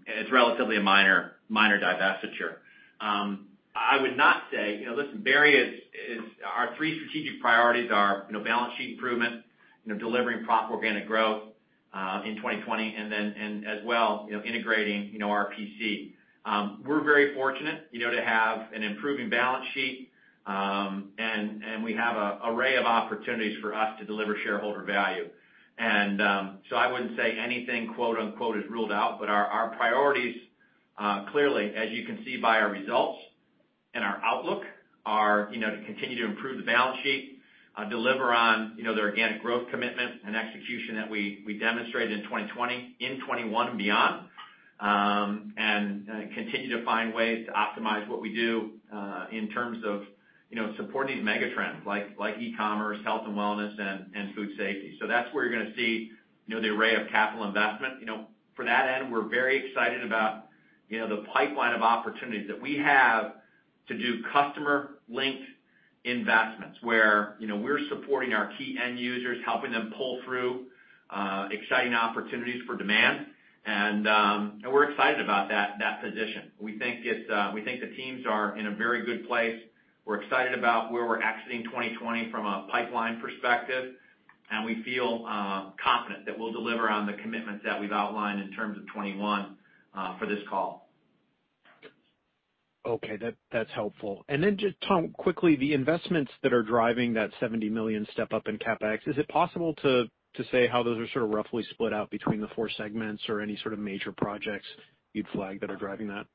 It's relatively a minor divestiture. Our three strategic priorities are balance sheet improvement, delivering proper organic growth in 2020, and then as well integrating our RPC. We're very fortunate to have an improving balance sheet, and we have an array of opportunities for us to deliver shareholder value. I wouldn't say anything "is ruled out," but our priorities, clearly, as you can see by our results and our outlook, are to continue to improve the balance sheet, deliver on the organic growth commitment and execution that we demonstrated in 2020, in 2021 and beyond, and continue to find ways to optimize what we do in terms of supporting these mega trends like e-commerce, health and wellness, and food safety. That's where you're going to see the array of capital investment. For that end, we're very excited about the pipeline of opportunities that we have to do customer-linked investments, where we're supporting our key end users, helping them pull through exciting opportunities for demand, and we're excited about that position. We think the teams are in a very good place. We're excited about where we're exiting 2020 from a pipeline perspective, and we feel confident that we'll deliver on the commitments that we've outlined in terms of 2021 for this call. Okay. That's helpful. Just, Tom, quickly, the investments that are driving that $70 million step-up in CapEx, is it possible to say how those are sort of roughly split out between the four segments or any sort of major projects you'd flag that are driving that?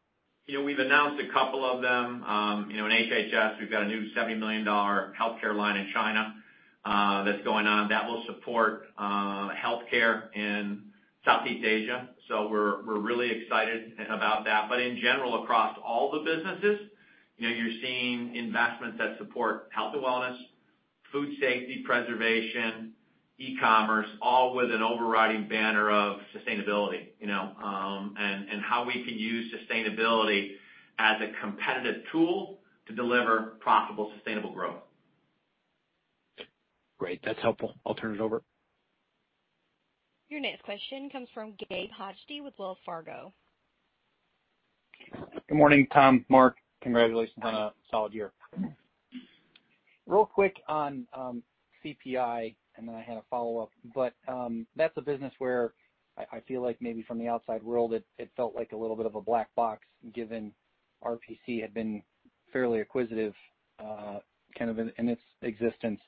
We've announced a couple of them. In HHS, we've got a new $70 million healthcare line in China that's going on that will support healthcare in Southeast Asia. We're really excited about that. In general, across all the businesses, you're seeing investments that support health and wellness, food safety preservation, e-commerce, all with an overriding banner of sustainability, and how we can use sustainability as a competitive tool to deliver profitable, sustainable growth. Great. That's helpful. I'll turn it over. Your next question comes from Ghansham Panjabi with Wells Fargo. Good morning, Tom, Mark. Congratulations on a solid year. Real quick on CPI, I had a follow-up. That's a business where I feel like maybe from the outside world, it felt like a little bit of a black box, given RPC had been fairly acquisitive in its existence.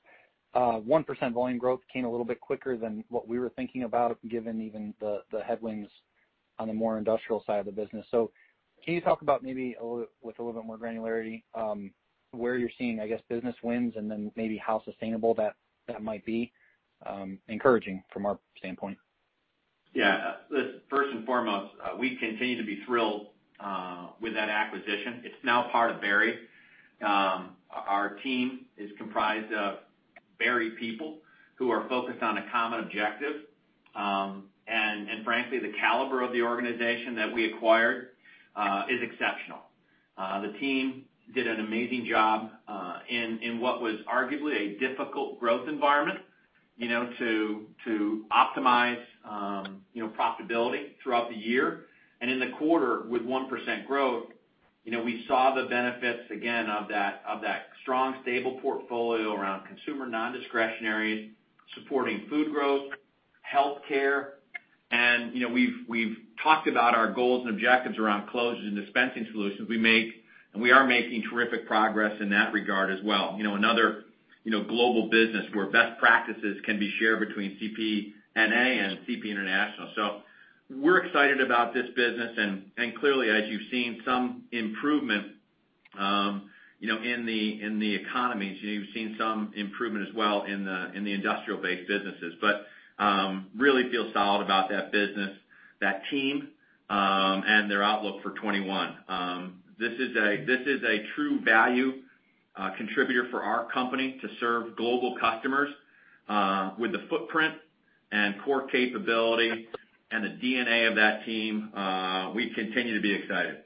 1% volume growth came a little bit quicker than what we were thinking about, given even the headwinds on the more industrial side of the business. Can you talk about maybe with a little bit more granularity, where you're seeing, I guess, business wins, maybe how sustainable that might be? Encouraging from our standpoint. Yeah. Listen, first and foremost, we continue to be thrilled with that acquisition. It's now part of Berry. Our team is comprised of Berry people who are focused on a common objective. Frankly, the caliber of the organization that we acquired is exceptional. The team did an amazing job in what was arguably a difficult growth environment to optimize profitability throughout the year. In the quarter, with 1% growth, we saw the benefits again of that strong, stable portfolio around consumer non-discretionary, supporting food growth, healthcare. We've talked about our goals and objectives around closures and dispensing solutions we make, and we are making terrific progress in that regard as well. Another global business where best practices can be shared between CP NA and CP International. We're excited about this business, and clearly, as you've seen some improvement in the economies, you've seen some improvement as well in the industrial-based businesses. Really feel solid about that business, that team, and their outlook for 2021. This is a true value contributor for our company to serve global customers with the footprint and core capability and the DNA of that team. We continue to be excited.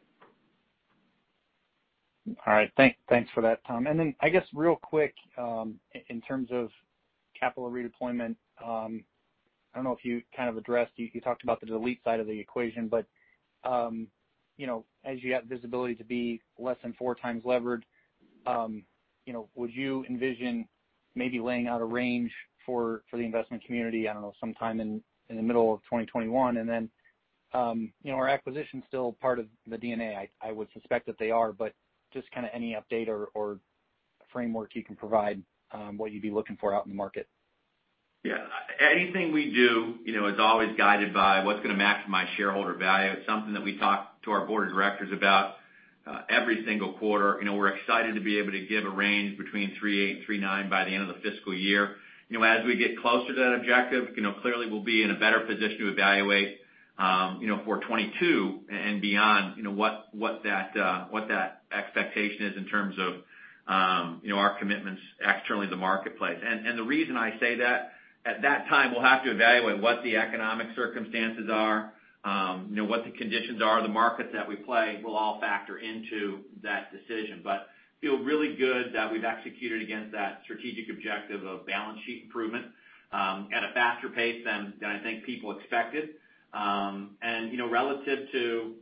All right. Thanks for that, Tom. I guess, real quick, in terms of capital redeployment, I don't know if you kind of addressed, you talked about the delete side of the equation, but as you have visibility to be less than 4x levered, would you envision maybe laying out a range for the investment community, I don't know, sometime in the middle of 2021? Are acquisitions still part of the DNA? I would suspect that they are, but just kind of any update or framework you can provide, what you'd be looking for out in the market. Yeah. Anything we do is always guided by what's going to maximize shareholder value. It's something that we talk to our board of directors about every single quarter. We're excited to be able to give a range between $3.8 and $3.9 by the end of the fiscal year. As we get closer to that objective, clearly, we'll be in a better position to evaluate for 2022 and beyond what that expectation is in terms of our commitments externally to the marketplace. The reason I say that, at that time, we'll have to evaluate what the economic circumstances are, what the conditions are in the markets that we play will all factor into that decision. Feel really good that we've executed against that strategic objective of balance sheet improvement at a faster pace than I think people expected. Relative to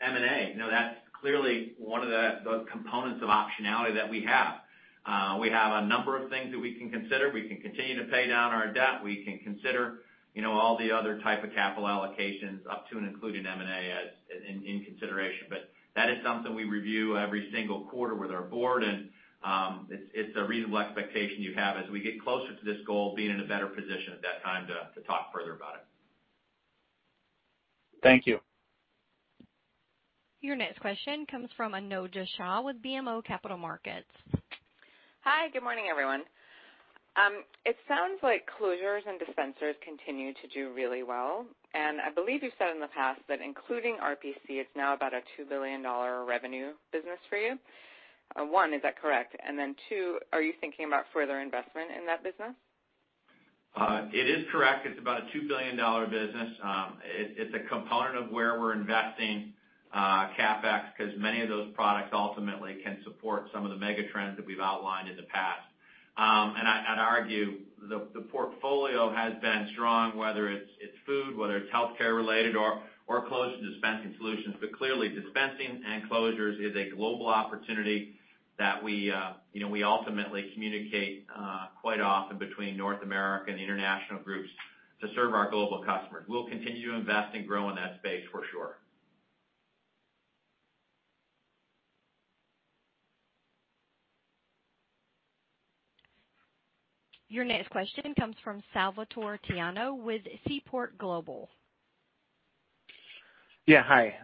M&A, that's clearly one of the components of optionality that we have. We have a number of things that we can consider. We can continue to pay down our debt. We can consider all the other type of capital allocations up to and including M&A in consideration. That is something we review every single quarter with our board, and it's a reasonable expectation you have as we get closer to this goal, being in a better position at that time to talk further about it. Thank you. Your next question comes from Anojja Shah with BMO Capital Markets. Hi, good morning, everyone. It sounds like closures and dispensers continue to do really well, and I believe you've said in the past that including RPC, it's now about a $2 billion revenue business for you. One, is that correct? Two, are you thinking about further investment in that business? It is correct. It's about a $2 billion business. It's a component of where we're investing CapEx because many of those products ultimately can support some of the mega trends that we've outlined in the past. I'd argue the portfolio has been strong, whether it's food, whether it's healthcare-related or closure dispensing solutions. Clearly dispensing and closures is a global opportunity that we ultimately communicate quite often between North America and the international groups to serve our global customers. We'll continue to invest and grow in that space, for sure. Your next question comes from Salvator Tiano with Seaport Global. Yeah, hi.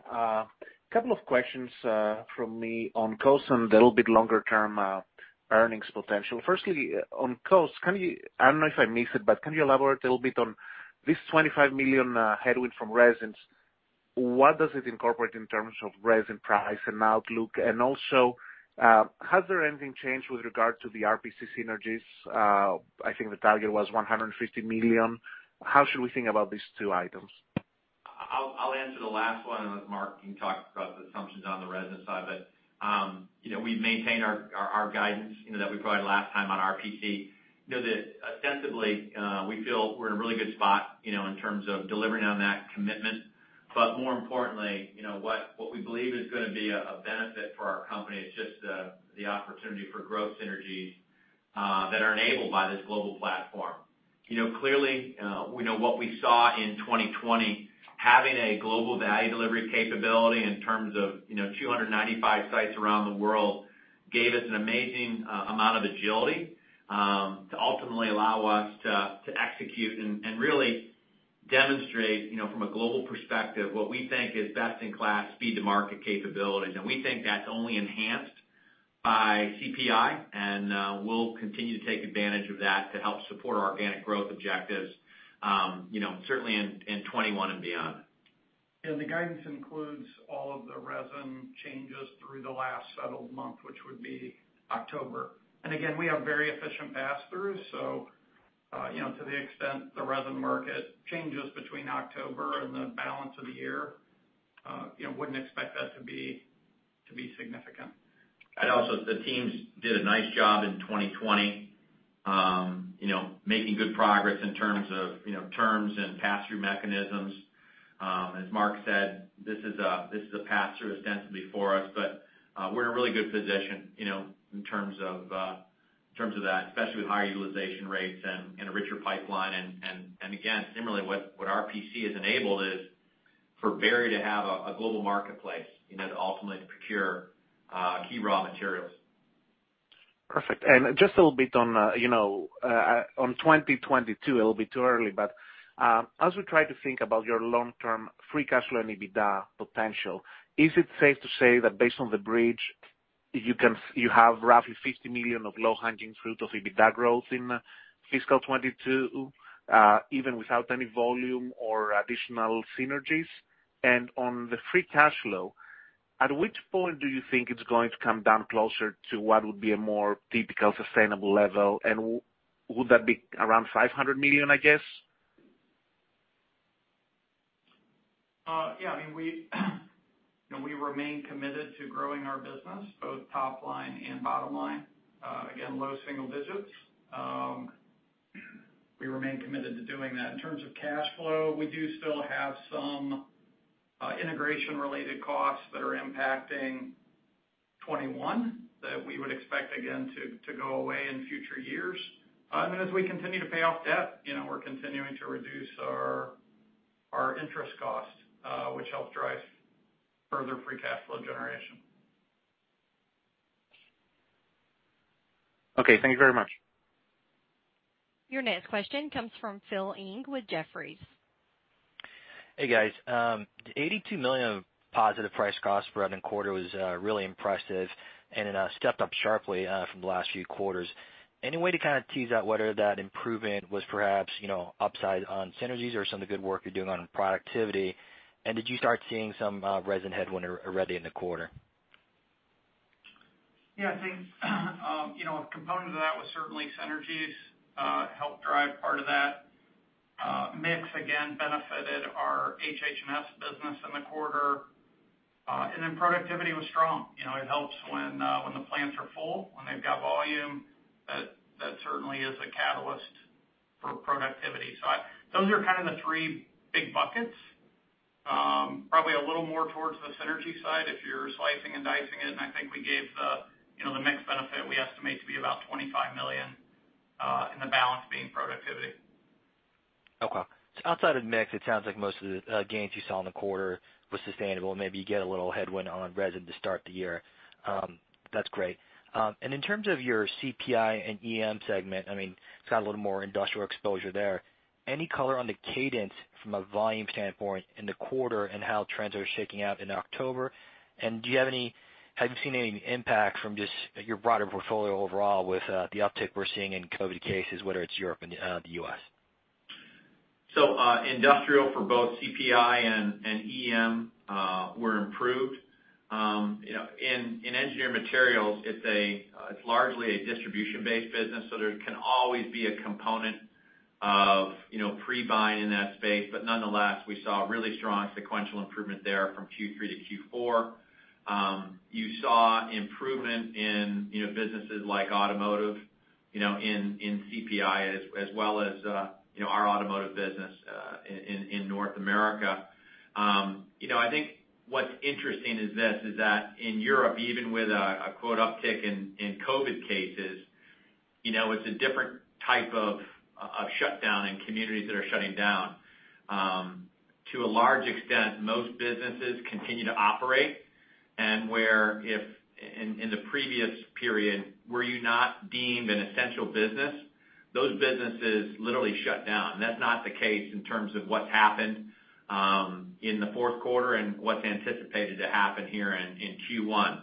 Couple of questions from me on costs and a little bit longer-term earnings potential. Firstly, on cost, I don't know if I missed it, but can you elaborate a little bit on this $25 million headwind from resins? What does it incorporate in terms of resin price and outlook? Also, has there anything changed with regard to the RPC synergies? I think the target was $150 million. How should we think about these two items? I'll answer the last one, and then Mark can talk about the assumptions on the resin side. We maintain our guidance that we provided last time on RPC. Sensibly, we feel we're in a really good spot in terms of delivering on that commitment. More importantly, what we believe is going to be a benefit for our company is just the opportunity for growth synergies that are enabled by this global platform. Clearly, we know what we saw in 2020, having a global value delivery capability in terms of 295 sites around the world, gave us an amazing amount of agility to ultimately allow us to execute and really demonstrate from a global perspective what we think is best-in-class speed to market capabilities. We think that's only enhanced by CPI, and we'll continue to take advantage of that to help support our organic growth objectives certainly in 2021 and beyond. The guidance includes all of the resin changes through the last settled month, which would be October. Again, we have very efficient pass-throughs, to the extent the resin market changes between October and the balance of the year, wouldn't expect that to be significant. Also, the teams did a nice job in 2020, making good progress in terms of terms and pass-through mechanisms. As Mark said, this is a pass-through ostensibly for us, but we're in a really good position in terms of that, especially with higher utilization rates and a richer pipeline. Again, similarly, what our RPC has enabled is for Berry to have a global marketplace to ultimately procure key raw materials. Perfect. Just a little bit on 2022, a little bit too early, but as we try to think about your long-term free cash flow and EBITDA potential, is it safe to say that based on the bridge, you have roughly $50 million of low-hanging fruit of EBITDA growth in fiscal 2022, even without any volume or additional synergies? On the free cash flow, at which point do you think it's going to come down closer to what would be a more typical sustainable level, and would that be around $500 million, I guess? Yeah. We remain committed to growing our business, both top line and bottom line. Again, low single digits. We remain committed to doing that. In terms of cash flow, we do still have some integration-related costs that are impacting 2021 that we would expect again to go away in future years. As we continue to pay off debt, we're continuing to reduce our interest costs, which helps drive further free cash flow generation. Okay, thank you very much. Your next question comes from Philip Ng with Jefferies. Hey, guys. The $82 million of positive price cost spread in quarter was really impressive. It stepped up sharply from the last few quarters. Any way to kind of tease out whether that improvement was perhaps upside on synergies or some of the good work you're doing on productivity? Did you start seeing some resin headwind already in the quarter? Yeah, I think a component of that was certainly synergies helped drive part of that. Mix, again, benefited our HH&S business in the quarter. Productivity was strong. It helps when the plants are full, when they've got volume. That certainly is a catalyst for productivity. Those are kind of the three big buckets. Probably a little more towards the synergy side if you're slicing and dicing it, and I think we gave the mix benefit we estimate to be about $25 million, and the balance being productivity. Okay. Outside of mix, it sounds like most of the gains you saw in the quarter were sustainable, and maybe you get a little headwind on resin to start the year. That's great. In terms of your CPI and EM segment, it's got a little more industrial exposure there. Any color on the cadence from a volume standpoint in the quarter and how trends are shaking out in October? Have you seen any impact from just your broader portfolio overall with the uptick we're seeing in COVID cases, whether it's Europe and the U.S.? Industrial for both CPI and EM were improved. In Engineered Materials, it's largely a distribution-based business, so there can always be a component of pre-buying in that space. Nonetheless, we saw a really strong sequential improvement there from Q3 to Q4. You saw improvement in businesses like automotive in CPI, as well as our automotive business in North America. I think what's interesting is this, is that in Europe, even with a quote uptick in COVID cases, it's a different type of shutdown and communities that are shutting down. To a large extent, most businesses continue to operate, and where if in the previous period, were you not deemed an essential business, those businesses literally shut down. That's not the case in terms of what's happened in the Q4 and what's anticipated to happen here in Q1.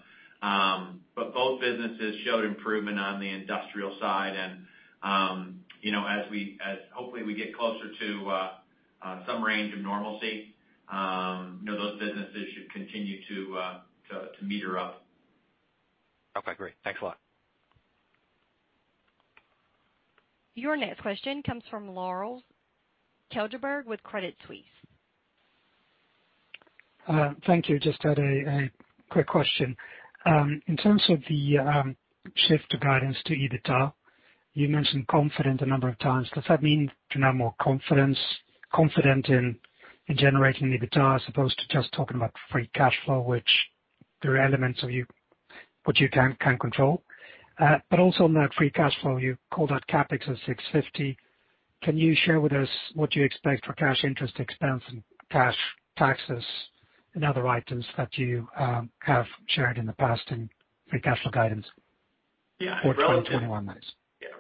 Both businesses showed improvement on the industrial side and as hopefully we get closer to some range of normalcy, those businesses should continue to meter up. Okay, great. Thanks a lot. Your next question comes from Lars Kjellberg with Credit Suisse. Thank you. Just had a quick question. In terms of the shift to guidance to EBITDA, you mentioned confident a number of times. Does that mean you now more confident in generating EBITDA as opposed to just talking about free cash flow, which there are elements of you, which you can control? Also on that free cash flow, you called out CapEx at 650. Can you share with us what you expect for cash interest expense and cash taxes and other items that you have shared in the past in free cash flow guidance for 2021, please? Yeah.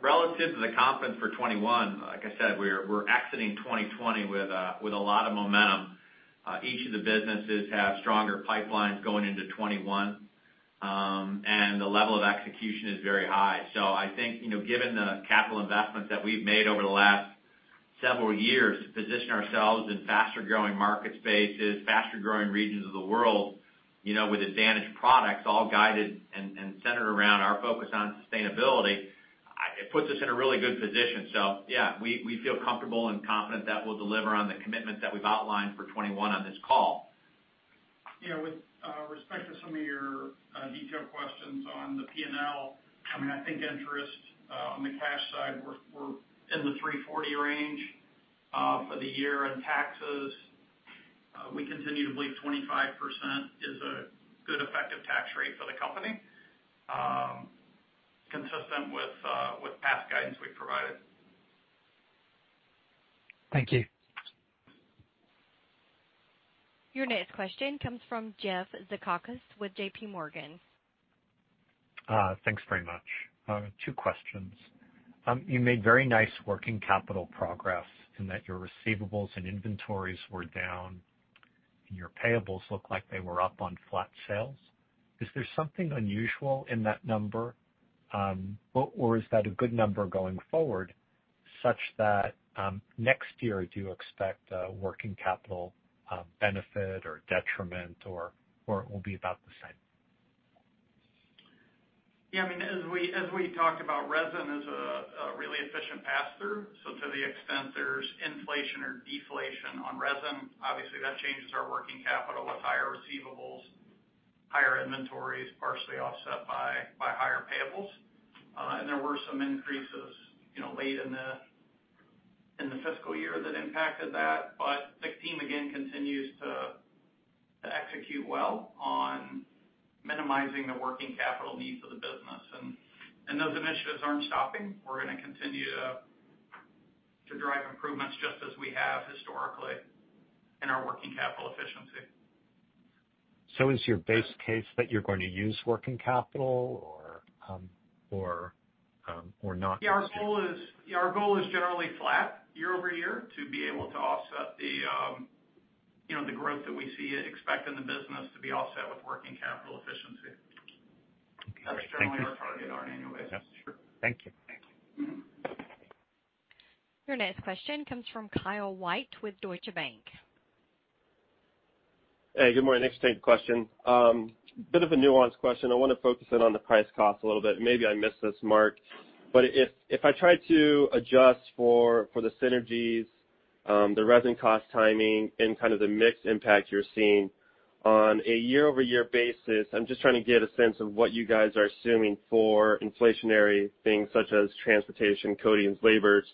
Relative to the confidence for 2021, like I said, we're exiting 2020 with a lot of momentum. Each of the businesses have stronger pipelines going into 2021. The level of execution is very high. I think, given the capital investments that we've made over the last several years to position ourselves in faster-growing market spaces, faster-growing regions of the world with advantage products, all guided and centered around our focus on sustainability, it puts us in a really good position. Yeah, we feel comfortable and confident that we'll deliver on the commitments that we've outlined for 2021 on this call. With respect to some of your detailed questions on the P&L, I think interest on the cash side, we're in the $340 range for the year. Taxes, we continue to believe 25% is a good effective tax rate for the company, consistent with past guidance we've provided. Thank you. Your next question comes from Jeff Zekauskas with JPMorgan. Thanks very much. Two questions. You made very nice working capital progress in that your receivables and inventories were down, and your payables look like they were up on flat sales. Is there something unusual in that number? Is that a good number going forward such that next year do you expect a working capital benefit or detriment, or it will be about the same? Yeah. As we talked about, resin is a really efficient pass-through. To the extent there's inflation or deflation on resin, obviously that changes our working capital with higher receivables, higher inventories, partially offset by higher payables. There were some increases late in the fiscal year that impacted that. The team, again, continues to execute well on minimizing the working capital needs of the business. Those initiatives aren't stopping. We're going to continue to drive improvements just as we have historically in our working capital efficiency. Is your base case that you're going to use working capital or not? Yeah. Our goal is generally flat year-over-year to be able to offset the growth that we see and expect in the business to be offset with working capital efficiency. Okay. Thank you. That's generally our target on an annual basis. Sure. Thank you. Thanks. Your next question comes from Kyle White with Deutsche Bank. Hey, good morning. I just have a question. Bit of a nuanced question. I want to focus in on the price cost a little bit, and maybe I missed this, Mark. If I try to adjust for the synergies, the resin cost timing, and kind of the mix impact you're seeing on a year-over-year basis, I'm just trying to get a sense of what you guys are assuming for inflationary things such as transportation, coatings, labors.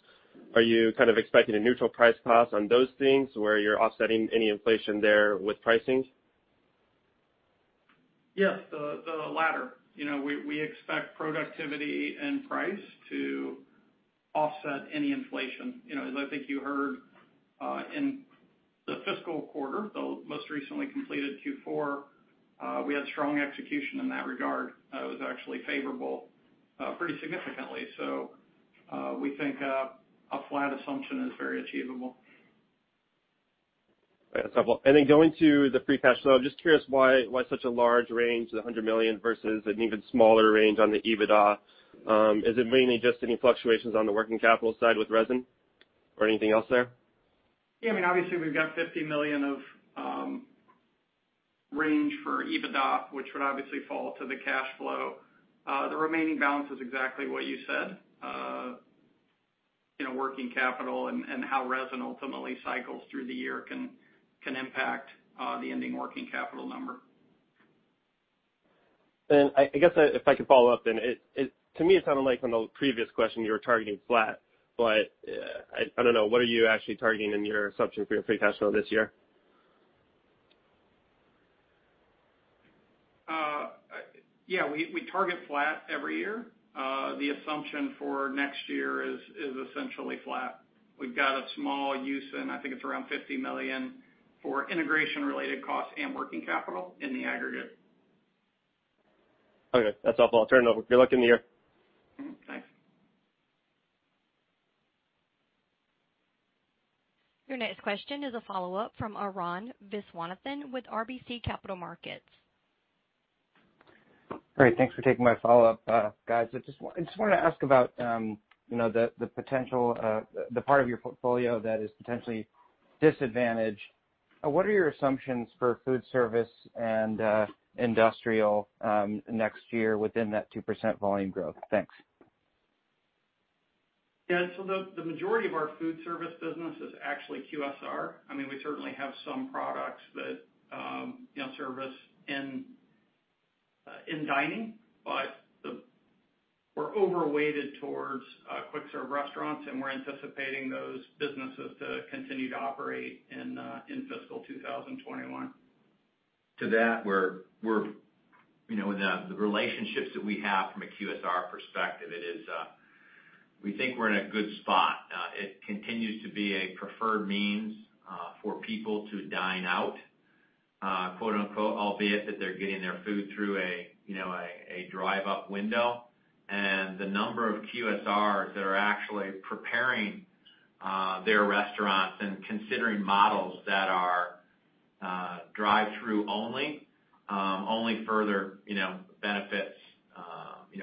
Are you kind of expecting a neutral price pass on those things where you're offsetting any inflation there with pricing? Yes. The latter. We expect productivity and price to offset any inflation. As I think you heard in the fiscal quarter, the most recently completed Q4, we had strong execution in that regard. It was actually favorable pretty significantly. We think a flat assumption is very achievable. That's helpful. Then going to the free cash flow, I'm just curious why such a large range of $100 million versus an even smaller range on the EBITDA. Is it mainly just any fluctuations on the working capital side with resin or anything else there? Yeah, obviously we've got $50 million of range for EBITDA, which would obviously fall to the cash flow. The remaining balance is exactly what you said. Working capital and how resin ultimately cycles through the year can impact the ending working capital number. I guess if I could follow up then. To me, it sounded like on the previous question you were targeting flat, but I don't know, what are you actually targeting in your assumption for your free cash flow this year? Yeah. We target flat every year. The assumption for next year is essentially flat. We've got a small use in, I think it's around $50 million for integration related costs and working capital in the aggregate. Okay. That's helpful. I'll turn it over. Good luck in the year. Thanks. Your next question is a follow-up from Arun Viswanathan with RBC Capital Markets. Great. Thanks for taking my follow-up, guys. I just wanted to ask about the part of your portfolio that is potentially disadvantaged. What are your assumptions for food service and industrial next year within that 2% volume growth? Thanks. Yeah. The majority of our food service business is actually QSR. We certainly have some products that service in dining, but we're over-weighted towards quick-serve restaurants, and we're anticipating those businesses to continue to operate in fiscal 2021. To that, with the relationships that we have from a QSR perspective, we think we're in a good spot. It continues to be a preferred means for people to "dine out," albeit that they're getting their food through a drive-up window. The number of QSRs that are actually preparing their restaurants and considering models that are drive-through only further benefits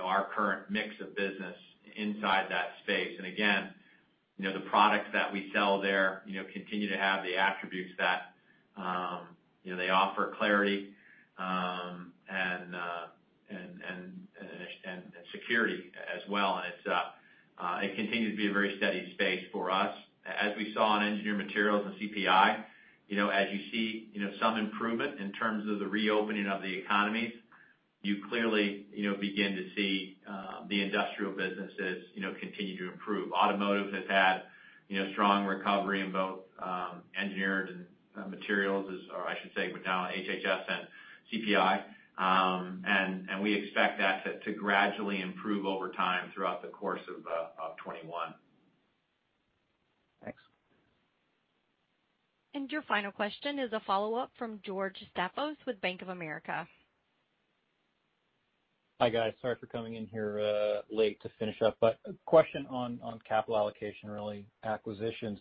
our current mix of business inside that space. Again, the products that we sell there continue to have the attributes that they offer clarity and security as well, and it continues to be a very steady space for us. As we saw in Engineered Materials and CPI, as you see some improvement in terms of the reopening of the economies, you clearly begin to see the industrial businesses continue to improve. Automotive has had strong recovery in both engineered and materials, or I should say now HHS and CPI. We expect that to gradually improve over time throughout the course of 2021. Thanks. Your final question is a follow-up from George Staphos with Bank of America. Hi, guys. Sorry for coming in here late to finish up. A question on capital allocation, really, acquisitions.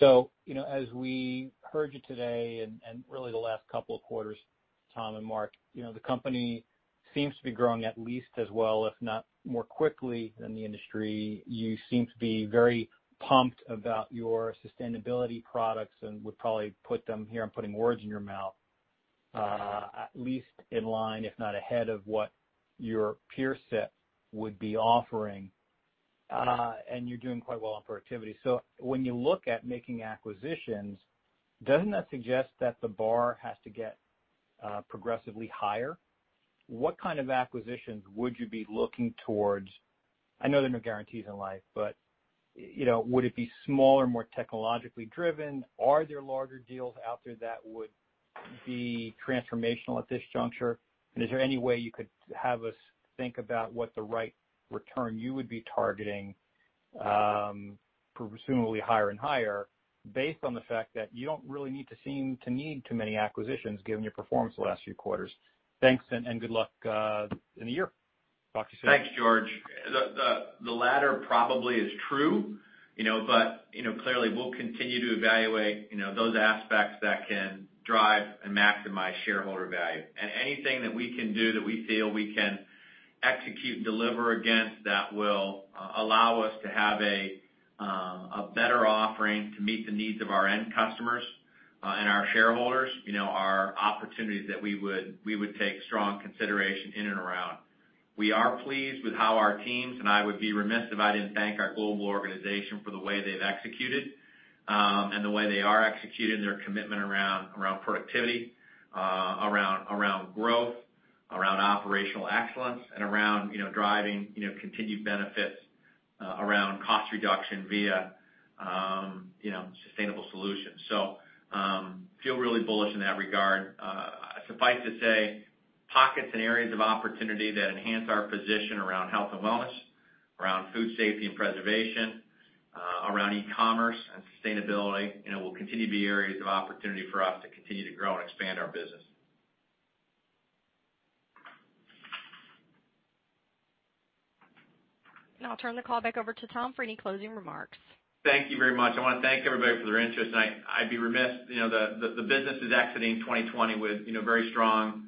As we heard you today and really the last couple of quarters, Tom and Mark, the company seems to be growing at least as well if not more quickly than the industry. You seem to be very pumped about your sustainability products and would probably put them, here I'm putting words in your mouth, at least in line, if not ahead of what your peer set would be offering. You're doing quite well on productivity. When you look at making acquisitions, doesn't that suggest that the bar has to get progressively higher? What kind of acquisitions would you be looking towards? I know there are no guarantees in life, but would it be smaller, more technologically driven? Are there larger deals out there that would be transformational at this juncture? Is there any way you could have us think about what the right return you would be targeting, presumably higher and higher, based on the fact that you don't really need to seem to need too many acquisitions given your performance the last few quarters? Thanks. Good luck in the year. Talk to you soon. Thanks, George. Clearly, we'll continue to evaluate those aspects that can drive and maximize shareholder value. Anything that we can do that we feel we can execute and deliver against that will allow us to have a better offering to meet the needs of our end customers and our shareholders are opportunities that we would take strong consideration in and around. We are pleased with how our teams, I would be remiss if I didn't thank our global organization for the way they've executed and the way they are executing their commitment around productivity, around growth, around operational excellence, and around driving continued benefits around cost reduction via sustainable solutions. Feel really bullish in that regard. Suffice to say, pockets and areas of opportunity that enhance our position around health and wellness, around food safety and preservation, around e-commerce and sustainability will continue to be areas of opportunity for us to continue to grow and expand our business. Now I'll turn the call back over to Tom for any closing remarks. Thank you very much. I want to thank everybody for their interest, and I'd be remiss, the business is exiting 2020 with very strong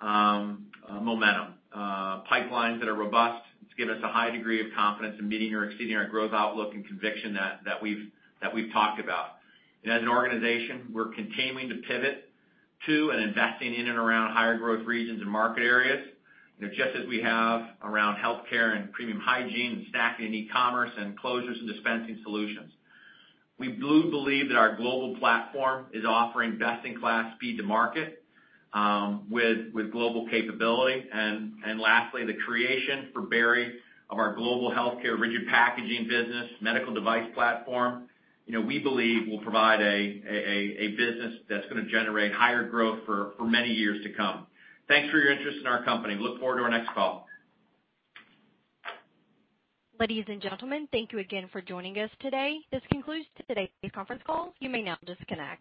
momentum. Pipelines that are robust to give us a high degree of confidence in meeting or exceeding our growth outlook and conviction that we've talked about. As an organization, we're continuing to pivot to and investing in and around higher growth regions and market areas, just as we have around Healthcare and premium hygiene and snacking and e-commerce and closures and dispensing solutions. We believe that our global platform is offering best-in-class speed to market with global capability. Lastly, the creation for Berry of our global Healthcare rigid packaging business medical device platform, we believe will provide a business that's going to generate higher growth for many years to come. Thanks for your interest in our company. Look forward to our next call. Ladies and gentlemen, thank you again for joining us today. This concludes today's conference call. You may now disconnect.